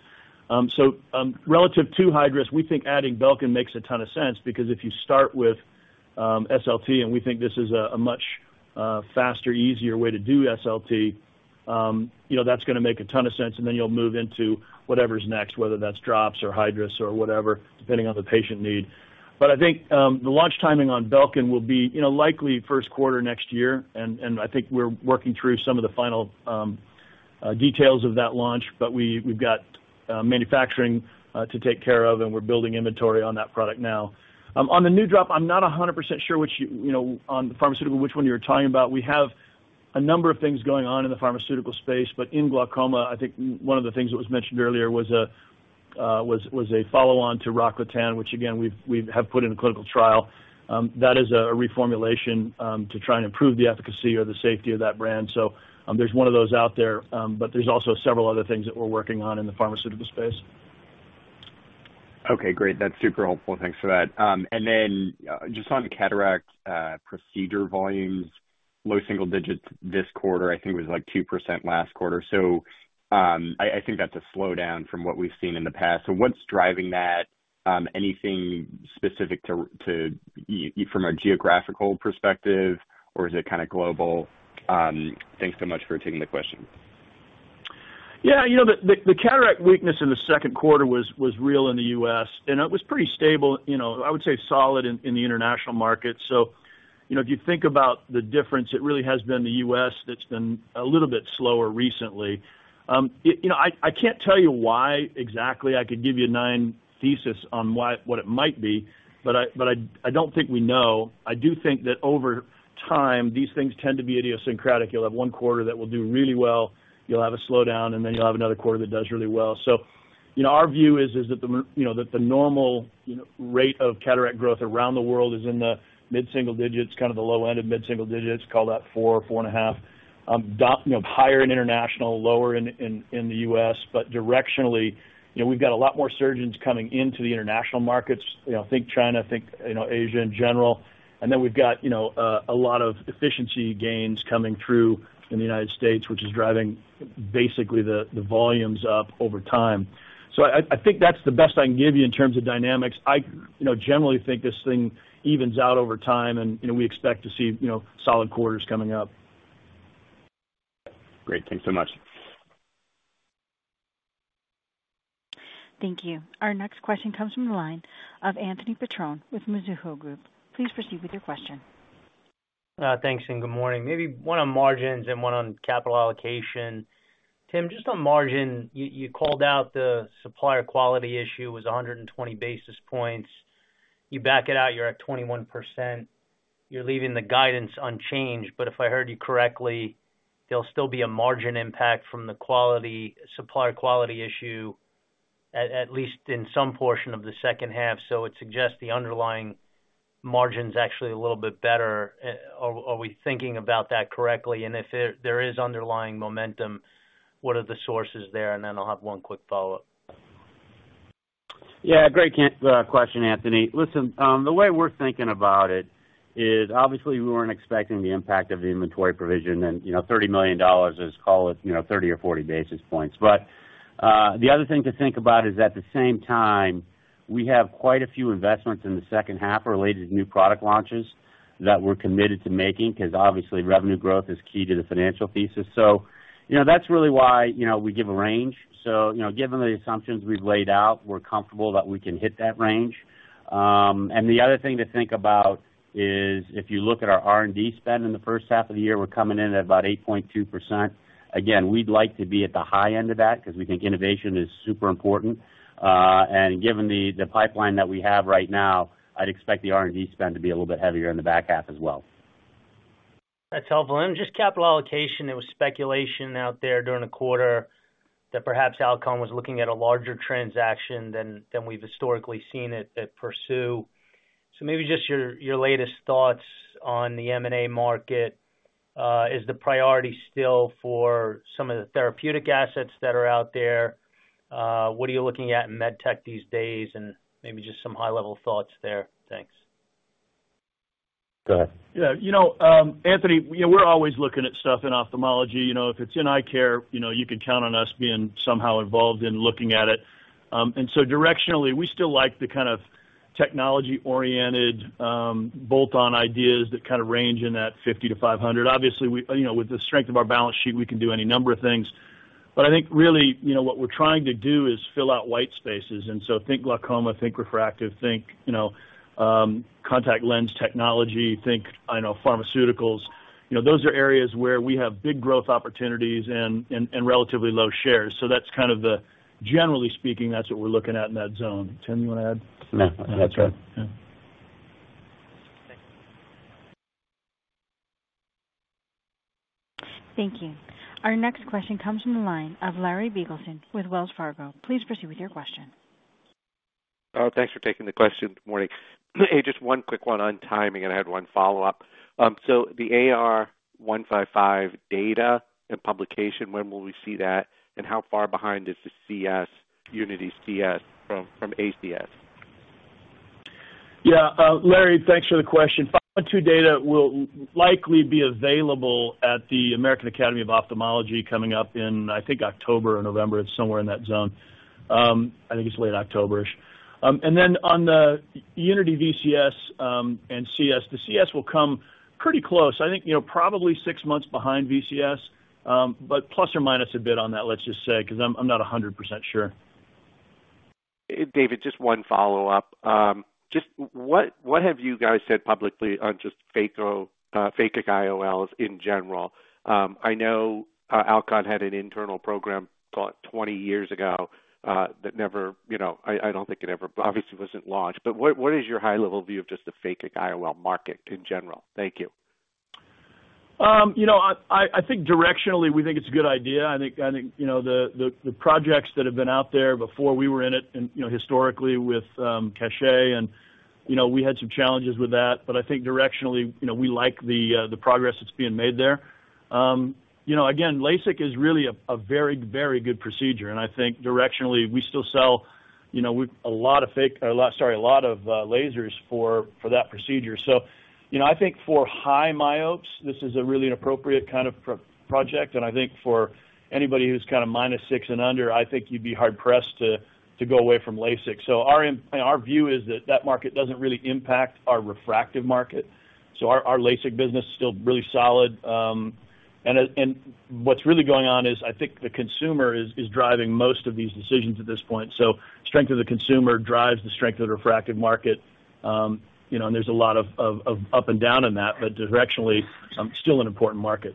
So, relative to Hydrus, we think adding Belkin makes a ton of sense because if you start with SLT, and we think this is a much faster, easier way to do SLT, you know, that's gonna make a ton of sense, and then you'll move into whatever's next, whether that's drops or Hydrus or whatever, depending on the patient need. But I think the launch timing on BELKIN will be, you know, likely first quarter next year, and I think we're working through some of the final details of that launch. But we've got manufacturing to take care of, and we're building inventory on that product now. On the new drop, I'm not 100% sure which, you know, on the pharmaceutical, which one you're talking about. We have a number of things going on in the pharmaceutical space, but in glaucoma, I think one of the things that was mentioned earlier was a follow-on to ROCKLATAN, which again, we have put in a clinical trial. That is a reformulation to try and improve the efficacy or the safety of that brand. There's one of those out there, but there's also several other things that we're working on in the pharmaceutical space. Okay, great. That's super helpful. Thanks for that. And then, just on the cataract procedure volumes, low single digits this quarter, I think it was like 2% last quarter. So, I think that's a slowdown from what we've seen in the past. So what's driving that? Anything specific from a geographical perspective, or is it kind of global? Thanks so much for taking the question. Yeah, you know, the cataract weakness in the second quarter was real in the US, and it was pretty stable, you know, I would say, solid in the international market, so you know, if you think about the difference, it really has been the US that's been a little bit slower recently. You know, I can't tell you why exactly. I could give you nine thesis on why what it might be, but I don't think we know. I do think that over time, these things tend to be idiosyncratic. You'll have one quarter that will do really well, you'll have a slowdown, and then you'll have another quarter that does really well. So, you know, our view is that the normal rate of cataract growth around the world is in the mid-single digits, kind of the low end of mid-single digits, call that four, four and a half. You know, higher in international, lower in the US. But directionally, you know, we've got a lot more surgeons coming into the international markets, you know, think China, think Asia in general. And then we've got, you know, a lot of efficiency gains coming through in the United States, which is driving basically the volumes up over time. So I think that's the best I can give you in terms of dynamics. I, you know, generally think this thing evens out over time, and, you know, we expect to see solid quarters coming up. Great. Thanks so much. Thank you. Our next question comes from the line of Anthony Petrone with Mizuho Group. Please proceed with your question. Thanks, and good morning. Maybe one on margins and one on capital allocation. Tim, just on margin, you called out the supplier quality issue was 100 basis points. You back it out, you're at 21%. You're leaving the guidance unchanged, but if I heard you correctly, there'll still be a margin impact from the supplier quality issue, at least in some portion of the second half. So it suggests the underlying margin's actually a little bit better. Are we thinking about that correctly? And if there is underlying momentum, what are the sources there? And then I'll have one quick follow-up. Yeah, great question, Anthony. Listen, the way we're thinking about it is, obviously, we weren't expecting the impact of the inventory provision, and, you know, $30 million is, call it, you know, 30 or 40 basis points. But, the other thing to think about is, at the same time, we have quite a few investments in the second half related to new product launches that we're committed to making, because obviously revenue growth is key to the financial thesis. So you know, that's really why, you know, we give a range. So, you know, given the assumptions we've laid out, we're comfortable that we can hit that range. And the other thing to think about is, if you look at our R&D spend in the first half of the year, we're coming in at about 8.2%. Again, we'd like to be at the high end of that because we think innovation is super important, and given the pipeline that we have right now, I'd expect the R&D spend to be a little bit heavier in the back half as well. That's helpful. And then just capital allocation, there was speculation out there during the quarter that perhaps Alcon was looking at a larger transaction than we've historically seen it pursue. So maybe just your latest thoughts on the M&A market, is the priority still for some of the therapeutic assets that are out there? What are you looking at in med tech these days? And maybe just some high-level thoughts there. Thanks. Go ahead. Yeah, you know, Anthony, you know, we're always looking at stuff in ophthalmology. You know, if it's in eye care, you know, you can count on us being somehow involved in looking at it. And so directionally, we still like the kind of technology-oriented, bolt-on ideas that kind of range in that $50 million-$500 million. Obviously, you know, with the strength of our balance sheet, we can do any number of things. But I think really, you know, what we're trying to do is fill out white spaces, and so think glaucoma, think refractive, think, you know, contact lens technology, think, I don't know, pharmaceuticals. You know, those are areas where we have big growth opportunities and relatively low shares. So that's kind of the, generally speaking, that's what we're looking at in that zone. Tim, you want to add? No, that's right. Yeah. Thank you. Our next question comes from the line of Larry Biegelsen with Wells Fargo. Please proceed with your question. Thanks for taking the question. Good morning. Just one quick one on timing, and I had one follow-up. So the AR155 data and publication, when will we see that? And how far behind is the CS, Unity CS from ACS? Yeah, Larry, thanks for the question. phase II data will likely be available at the American Academy of Ophthalmology, coming up in, I think, October or November. It's somewhere in that zone. I think it's late October-ish. And then on the Unity VCS, and CS, the CS will come pretty close. I think, you know, probably six months behind VCS, but plus or minus a bit on that, let's just say, because I'm not 100% sure. David, just one follow-up. Just what have you guys said publicly on just phakic IOLs in general? I know Alcon had an internal program about 20 years ago that never, you know, I don't think it ever obviously wasn't launched. But what is your high-level view of just the phakic IOL market in general? Thank you. You know, I think directionally, we think it's a good idea. I think, you know, the projects that have been out there before we were in it, and, you know, historically with Cachet and, you know, we had some challenges with that. But I think directionally, you know, we like the progress that's being made there. You know, again, LASIK is really a very good procedure, and I think directionally, we still sell, you know, a lot of lasers for that procedure. So, you know, I think for high myopes, this is a really appropriate kind of project, and I think for anybody who's kind of minus six and under, I think you'd be hard pressed to go away from LASIK. So our view is that market doesn't really impact our refractive market, so our LASIK business is still really solid. What's really going on is, I think the consumer is driving most of these decisions at this point. So strength of the consumer drives the strength of the refractive market. You know, and there's a lot of up and down in that, but directionally, still an important market.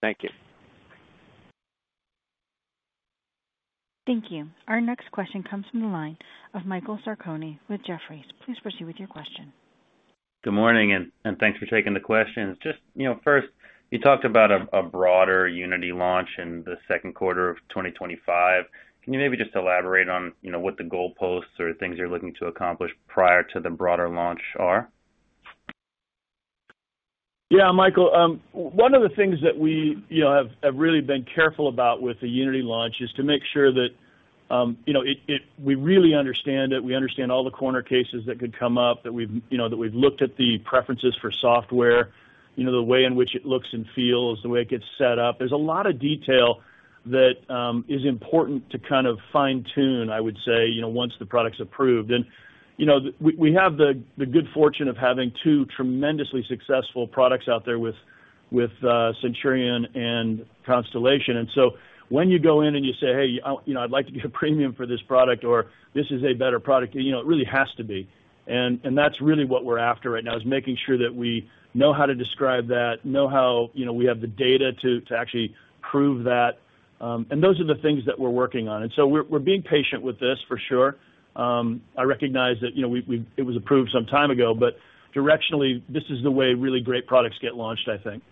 Thank you. Thank you. Our next question comes from the line of Michael Sarcone with Jefferies. Please proceed with your question. Good morning, and thanks for taking the questions. Just, you know, first, you talked about a broader Unity launch in the second quarter of 2025. Can you maybe just elaborate on, you know, what the goalposts or things you're looking to accomplish prior to the broader launch are? Yeah, Michael, one of the things that we, you know, have really been careful about with the Unity launch is to make sure that, you know, it, we really understand it, we understand all the corner cases that could come up, that we've, you know, that we've looked at the preferences for software, you know, the way in which it looks and feels, the way it gets set up. There's a lot of detail that is important to kind of fine-tune, I would say, you know, once the product's approved. And, you know, we have the good fortune of having two tremendously successful products out there with Centurion and Constellation. When you go in and you say, "Hey, you know, I'd like to get a premium for this product," or, "This is a better product," you know, it really has to be. That's really what we're after right now, is making sure that we know how to describe that, you know, we have the data to actually prove that. Those are the things that we're working on, so we're being patient with this, for sure. I recognize that, you know, it was approved some time ago, but directionally, this is the way really great products get launched, I think.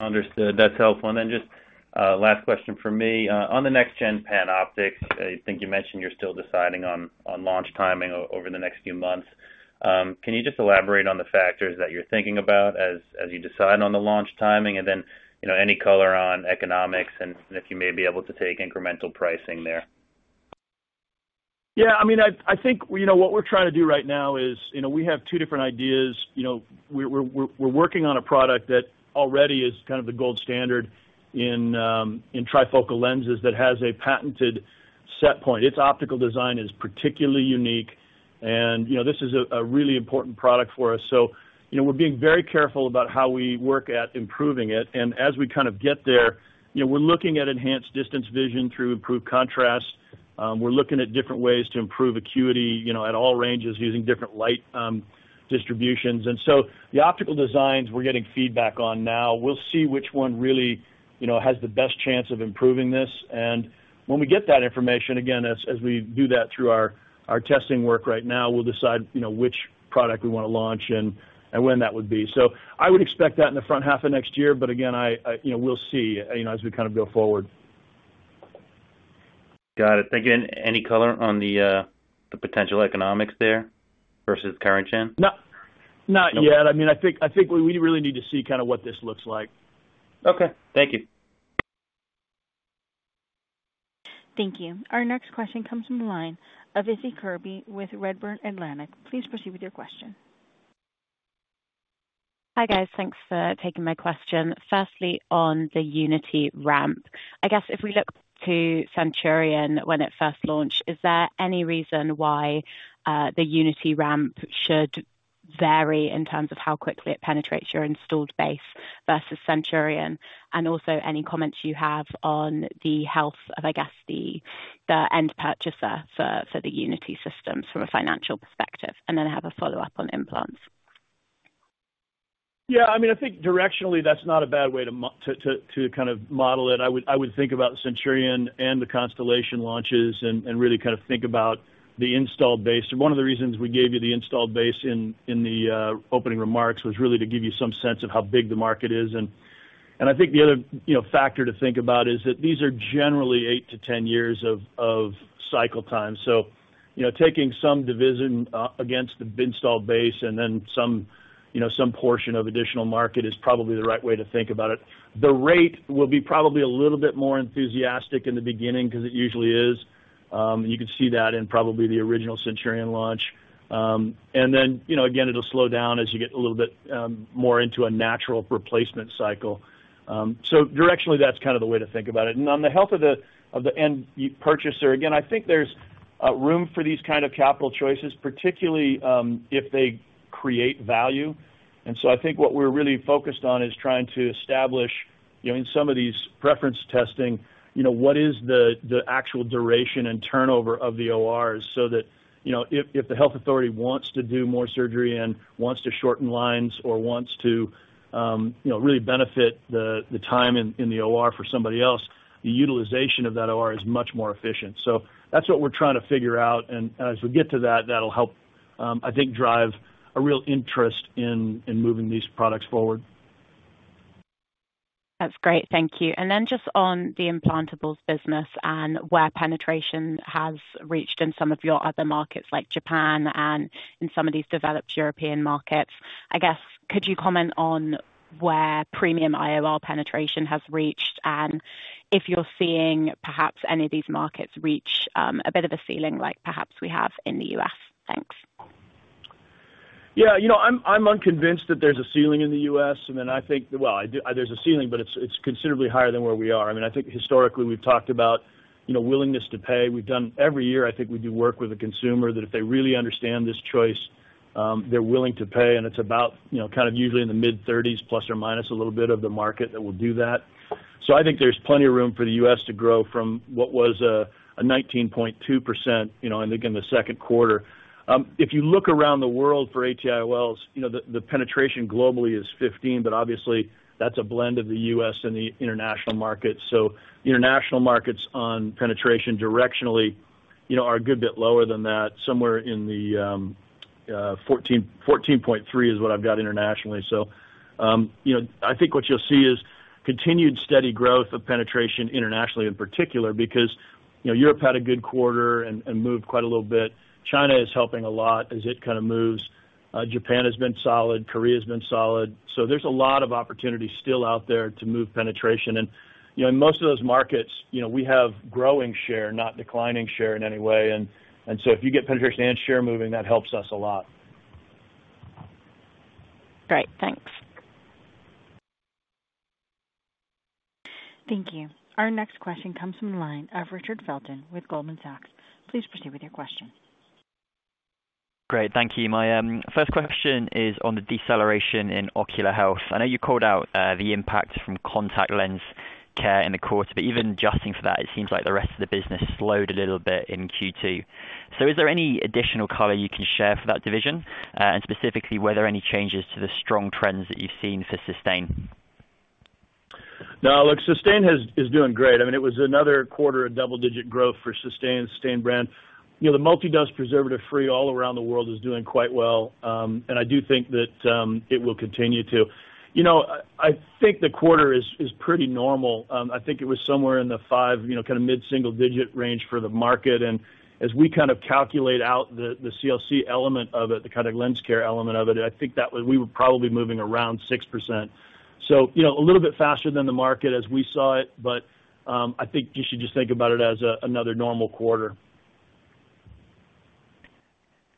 Understood. That's helpful. And then just, last question from me. On the next-gen PanOptix, I think you mentioned you're still deciding on launch timing over the next few months. Can you just elaborate on the factors that you're thinking about as you decide on the launch timing, and then, you know, any color on economics and if you may be able to take incremental pricing there? Yeah, I mean, I think, you know, what we're trying to do right now is, you know, we have two different ideas. You know, we're working on a product that already is kind of the gold standard in trifocal lenses, that has a patented set point. Its optical design is particularly unique, and, you know, this is a really important product for us. So, you know, we're being very careful about how we work at improving it. And as we kind of get there, you know, we're looking at enhanced distance vision through improved contrast. We're looking at different ways to improve acuity, you know, at all ranges, using different light distributions. And so the optical designs, we're getting feedback on now. We'll see which one really, you know, has the best chance of improving this. And when we get that information, again, as we do that through our testing work right now, we'll decide, you know, which product we want to launch and when that would be. So I would expect that in the front half of next year, but again, I you know, we'll see, you know, as we kind of go forward.... Got it. Thank you and any color on the potential economics there versus current gen? No, not yet. I mean, I think we really need to see kind of what this looks like. Okay. Thank you. Thank you. Our next question comes from the line of Issie Kirby with Redburn Atlantic. Please proceed with your question. Hi, guys. Thanks for taking my question. Firstly, on the Unity ramp, I guess if we look to Centurion when it first launched, is there any reason why the Unity ramp should vary in terms of how quickly it penetrates your installed base versus Centurion? And also, any comments you have on the health of, I guess, the end purchaser for the Unity systems from a financial perspective? And then I have a follow-up on implants. Yeah, I mean, I think directionally, that's not a bad way to to kind of model it. I would think about Centurion and the Constellation launches and really kind of think about the installed base. And one of the reasons we gave you the installed base in the opening remarks was really to give you some sense of how big the market is. And I think the other, you know, factor to think about is that these are generally eight to 10 years of cycle time. So you know, taking some division against the installed base and then some, you know, some portion of additional market is probably the right way to think about it. The rate will be probably a little bit more enthusiastic in the beginning because it usually is. You can see that in probably the original Centurion launch, and then, you know, again, it'll slow down as you get a little bit more into a natural replacement cycle, so directionally, that's kind of the way to think about it. On the health of the end purchaser, again, I think there's room for these kind of capital choices, particularly if they create value. And so I think what we're really focused on is trying to establish, you know, in some of these preference testing, you know, what is the actual duration and turnover of the ORs so that, you know, if the health authority wants to do more surgery and wants to shorten lines or wants to, you know, really benefit the time in the OR for somebody else, the utilization of that OR is much more efficient. So that's what we're trying to figure out, and as we get to that, that'll help, I think, drive a real interest in moving these products forward. That's great. Thank you. And then just on the implantables business and where penetration has reached in some of your other markets, like Japan and in some of these developed European markets, I guess, could you comment on where premium IOL penetration has reached, and if you're seeing perhaps any of these markets reach, a bit of a ceiling like perhaps we have in the U.S.? Thanks. Yeah, you know, I'm unconvinced that there's a ceiling in the U.S., and then I think. Well, I do. There's a ceiling, but it's considerably higher than where we are. I mean, I think historically, we've talked about, you know, willingness to pay. We've done. Every year, I think we do work with a consumer, that if they really understand this choice, they're willing to pay, and it's about, you know, kind of usually in the mid-thirties, plus or minus a little bit, of the market that will do that. So I think there's plenty of room for the U.S. to grow from what was a 19.2%, you know, I think, in the second quarter. If you look around the world for IOLs, you know, the penetration globally is 15%, but obviously, that's a blend of the U.S. and the international markets. So international markets on penetration directionally, you know, are a good bit lower than that. Somewhere in the 14.3% is what I've got internationally. So, you know, I think what you'll see is continued steady growth of penetration internationally, in particular, because, you know, Europe had a good quarter and moved quite a little bit. China is helping a lot as it kind of moves. Japan has been solid. Korea has been solid. So there's a lot of opportunity still out there to move penetration, and you know, in most of those markets, you know, we have growing share, not declining share in any way. So if you get penetration and share moving, that helps us a lot. Great. Thanks. Thank you. Our next question comes from the line of Richard Felton with Goldman Sachs. Please proceed with your question. Great. Thank you. My first question is on the deceleration in ocular health. I know you called out the impact from contact lens care in the quarter, but even adjusting for that, it seems like the rest of the business slowed a little bit in Q2, so is there any additional color you can share for that division, and specifically, were there any changes to the strong trends that you've seen for Systane? No, look, Systane is doing great. I mean, it was another quarter of double-digit growth for Systane, Systane brand. You know, the multi-dose preservative free all around the world is doing quite well. And I do think that it will continue to. You know, I think the quarter is pretty normal. I think it was somewhere in the five, you know, kind of mid-single digit range for the market. And as we kind of calculate out the CLC element of it, the kind of lens care element of it, I think that we were probably moving around 6%. So you know, a little bit faster than the market as we saw it, but I think you should just think about it as another normal quarter.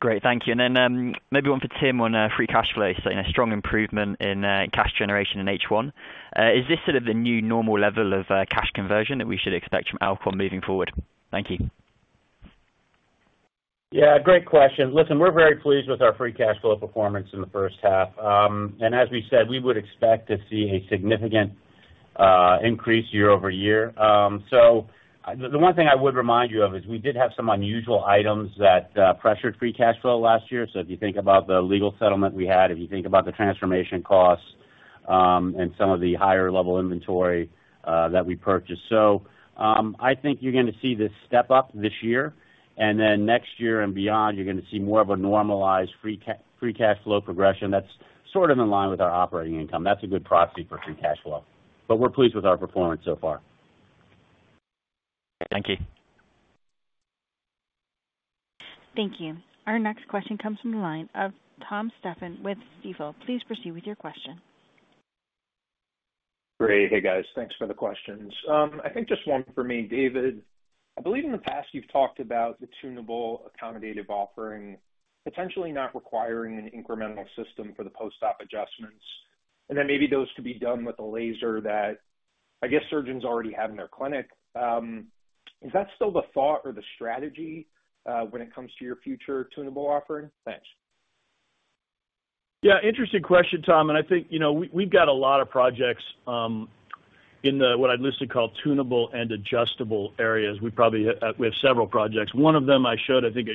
Great. Thank you. And then, maybe one for Tim on free cash flow, seeing a strong improvement in cash generation in H1. Is this sort of the new normal level of cash conversion that we should expect from Alcon moving forward? Thank you. Yeah, great question. Listen, we're very pleased with our free cash flow performance in the first half, and as we said, we would expect to see a significant increase year-over-year, so the one thing I would remind you of is we did have some unusual items that pressured free cash flow last year. So if you think about the legal settlement we had, if you think about the transformation costs, and some of the higher level inventory that we purchased, so I think you're gonna see this step up this year, and then next year and beyond, you're gonna see more of a normalized free cash flow progression that's sort of in line with our operating income. That's a good proxy for free cash flow. But we're pleased with our performance so far. Thank you.... Thank you. Our next question comes from the line of Tom Steffen with Stifel. Please proceed with your question. Great. Hey, guys. Thanks for the questions. I think just one for me, David. I believe in the past you've talked about the tunable accommodative offering, potentially not requiring an incremental system for the post-op adjustments, and then maybe those could be done with a laser that, I guess, surgeons already have in their clinic. Is that still the thought or the strategy, when it comes to your future tunable offering? Thanks. Yeah, interesting question, Tom, and I think, you know, we've got a lot of projects in the what I'd loosely call tunable and adjustable areas. We probably have several projects. One of them I showed, I think,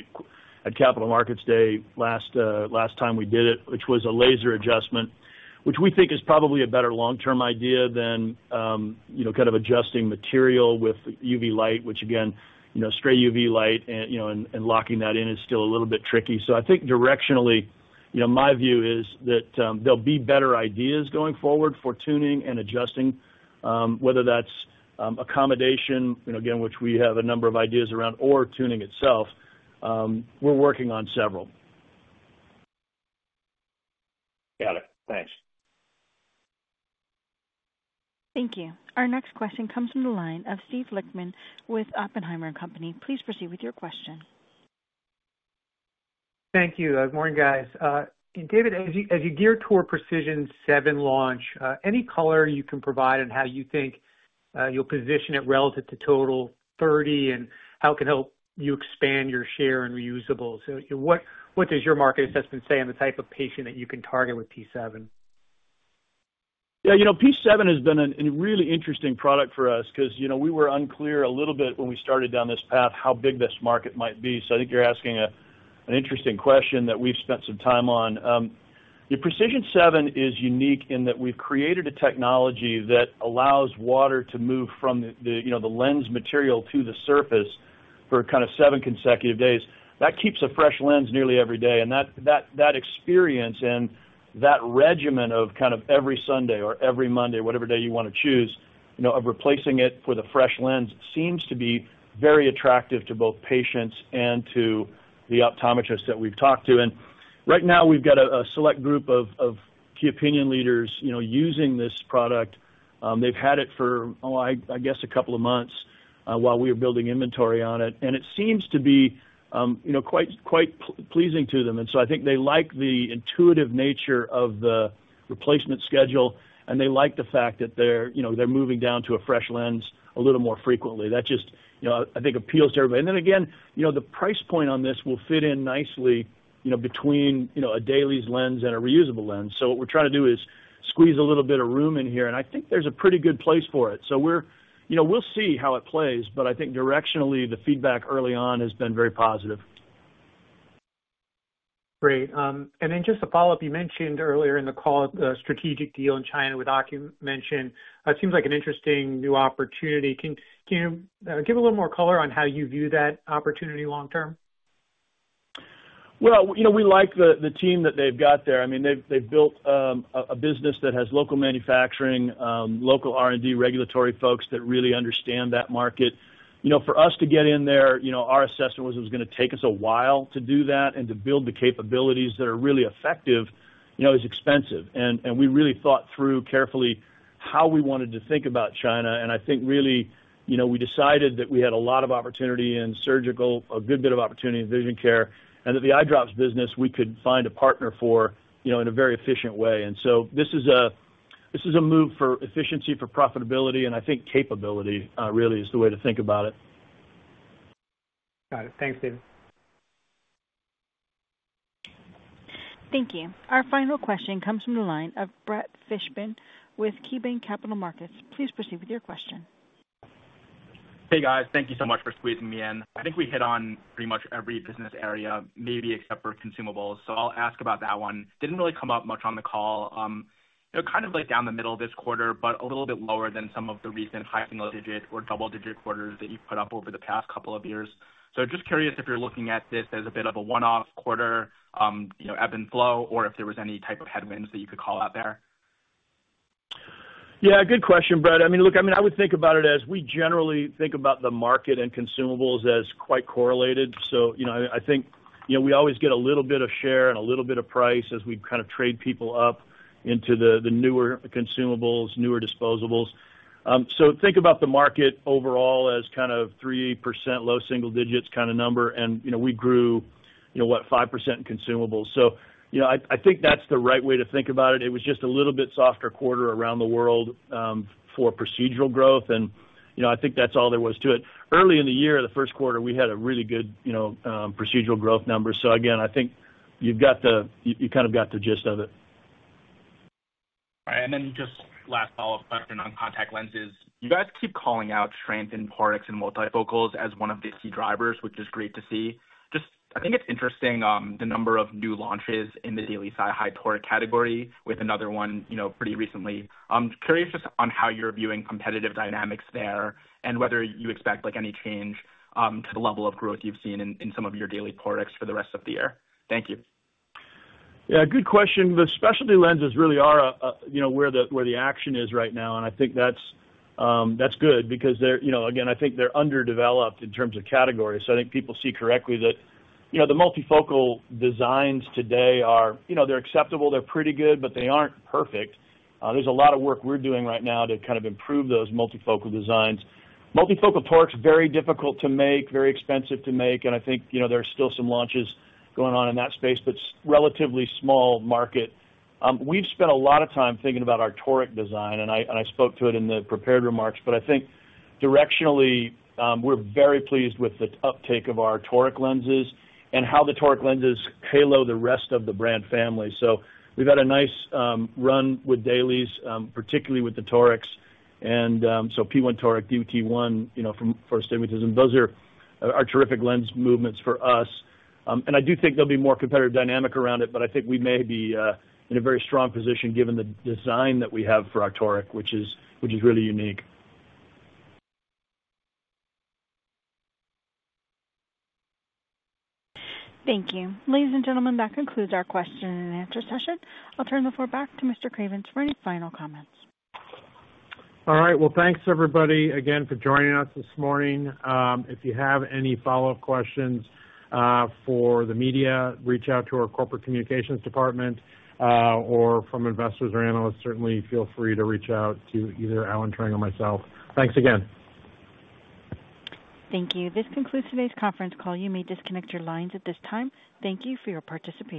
at Capital Markets Day last time we did it, which was a laser adjustment, which we think is probably a better long-term idea than, you know, kind of adjusting material with UV light, which again, you know, straight UV light and locking that in is still a little bit tricky. So I think directionally, you know, my view is that, there'll be better ideas going forward for tuning and adjusting, whether that's, accommodation, you know, again, which we have a number of ideas around, or tuning itself, we're working on several. Got it. Thanks. Thank you. Our next question comes from the line of Steve Lichtman with Oppenheimer and Company. Please proceed with your question. Thank you. Good morning, guys. And David, as you gear toward PRECISION7 launch, any color you can provide on how you think you'll position it relative to TOTAL30, and how it can help you expand your share in reusables? So what does your market assessment say on the type of patient that you can target with P7? Yeah, you know, P7 has been a really interesting product for us, 'cause, you know, we were unclear a little bit when we started down this path, how big this market might be. So I think you're asking an interesting question that we've spent some time on. The PRECISION7 is unique in that we've created a technology that allows water to move from the, you know, the lens material to the surface for kind of seven consecutive days. That keeps a fresh lens nearly every day, and that experience and that regimen of kind of every Sunday or every Monday, whatever day you wanna choose, you know, of replacing it with a fresh lens, seems to be very attractive to both patients and to the optometrists that we've talked to. And right now, we've got a select group of key opinion leaders, you know, using this product. They've had it for, I guess, a couple of months, while we were building inventory on it, and it seems to be, you know, quite pleasing to them. And so I think they like the intuitive nature of the replacement schedule, and they like the fact that they're, you know, they're moving down to a fresh lens a little more frequently. That just, you know, I think, appeals to everybody. And then again, you know, the price point on this will fit in nicely, you know, between, you know, a dailies lens and a reusable lens. So what we're trying to do is squeeze a little bit of room in here, and I think there's a pretty good place for it. You know, we'll see how it plays, but I think directionally, the feedback early on has been very positive. Great. And then just a follow-up, you mentioned earlier in the call, the strategic deal in China with Ocumension. It seems like an interesting new opportunity. Can you give a little more color on how you view that opportunity long term? Well, you know, we like the team that they've got there. I mean, they've built a business that has local manufacturing, local R&D, regulatory folks that really understand that market. You know, for us to get in there, you know, our assessment was it was gonna take us a while to do that and to build the capabilities that are really effective, you know, is expensive. And we really thought through carefully how we wanted to think about China, and I think really, you know, we decided that we had a lot of opportunity in surgical, a good bit of opportunity in vision care, and that the eye drops business we could find a partner for, you know, in a very efficient way. And so this is a move for efficiency, for profitability, and I think capability really is the way to think about it. Got it. Thanks, David. Thank you. Our final question comes from the line of Brett Fishbein with KeyBanc Capital Markets. Please proceed with your question. Hey, guys. Thank you so much for squeezing me in. I think we hit on pretty much every business area, maybe except for consumables, so I'll ask about that one. Didn't really come up much on the call. You know, kind of, like, down the middle this quarter, but a little bit lower than some of the recent high single digit or double-digit quarters that you've put up over the past couple of years. So just curious if you're looking at this as a bit of a one-off quarter, you know, ebb and flow, or if there was any type of headwinds that you could call out there? Yeah, good question, Brett. I mean, look, I mean, I would think about it as we generally think about the market and consumables as quite correlated. So, you know, I think, you know, we always get a little bit of share and a little bit of price as we kind of trade people up into the newer consumables, newer disposables. So think about the market overall as kind of 3%, low single digits kind of number, and, you know, we grew, you know, what? 5% in consumables. So, you know, I think that's the right way to think about it. It was just a little bit softer quarter around the world for procedural growth, and, you know, I think that's all there was to it. Early in the year, the first quarter, we had a really good, you know, procedural growth number. So again, I think you've got the... You kind of got the gist of it. All right. And then just last follow-up question on contact lenses. You guys keep calling out strength in torics and multifocals as one of the key drivers, which is great to see. Just, I think it's interesting, the number of new launches in the daily high toric category with another one, you know, pretty recently. I'm curious just on how you're viewing competitive dynamics there, and whether you expect, like, any change, to the level of growth you've seen in some of your daily torics for the rest of the year. Thank you. Yeah, good question. The specialty lenses really are, you know, where the action is right now, and I think that's good because they're, you know, again, I think they're underdeveloped in terms of categories. So I think people see correctly that, you know, the multifocal designs today are, you know, they're acceptable, they're pretty good, but they aren't perfect. There's a lot of work we're doing right now to kind of improve those multifocal designs. Multifocal toric's, very difficult to make, very expensive to make, and I think, you know, there are still some launches going on in that space, but it's relatively small market. We've spent a lot of time thinking about our toric design, and I spoke to it in the prepared remarks, but I think directionally, we're very pleased with the uptake of our toric lenses and how the toric lenses halo the rest of the brand family. So we've had a nice run with dailies, particularly with the torics, and so P1 Toric, DT1, you know, for astigmatism, those are terrific lens movements for us. And I do think there'll be more competitive dynamic around it, but I think we may be in a very strong position given the design that we have for our toric, which is really unique. Thank you. Ladies and gentlemen, that concludes our question and answer session. I'll turn the floor back to Mr. Cravens for any final comments. All right. Well, thanks, everybody, again, for joining us this morning. If you have any follow-up questions, for the media, reach out to our corporate communications department, or from investors or analysts, certainly feel free to reach out to either Allen Trang or myself. Thanks again. Thank you. This concludes today's conference call. You may disconnect your lines at this time. Thank you for your participation.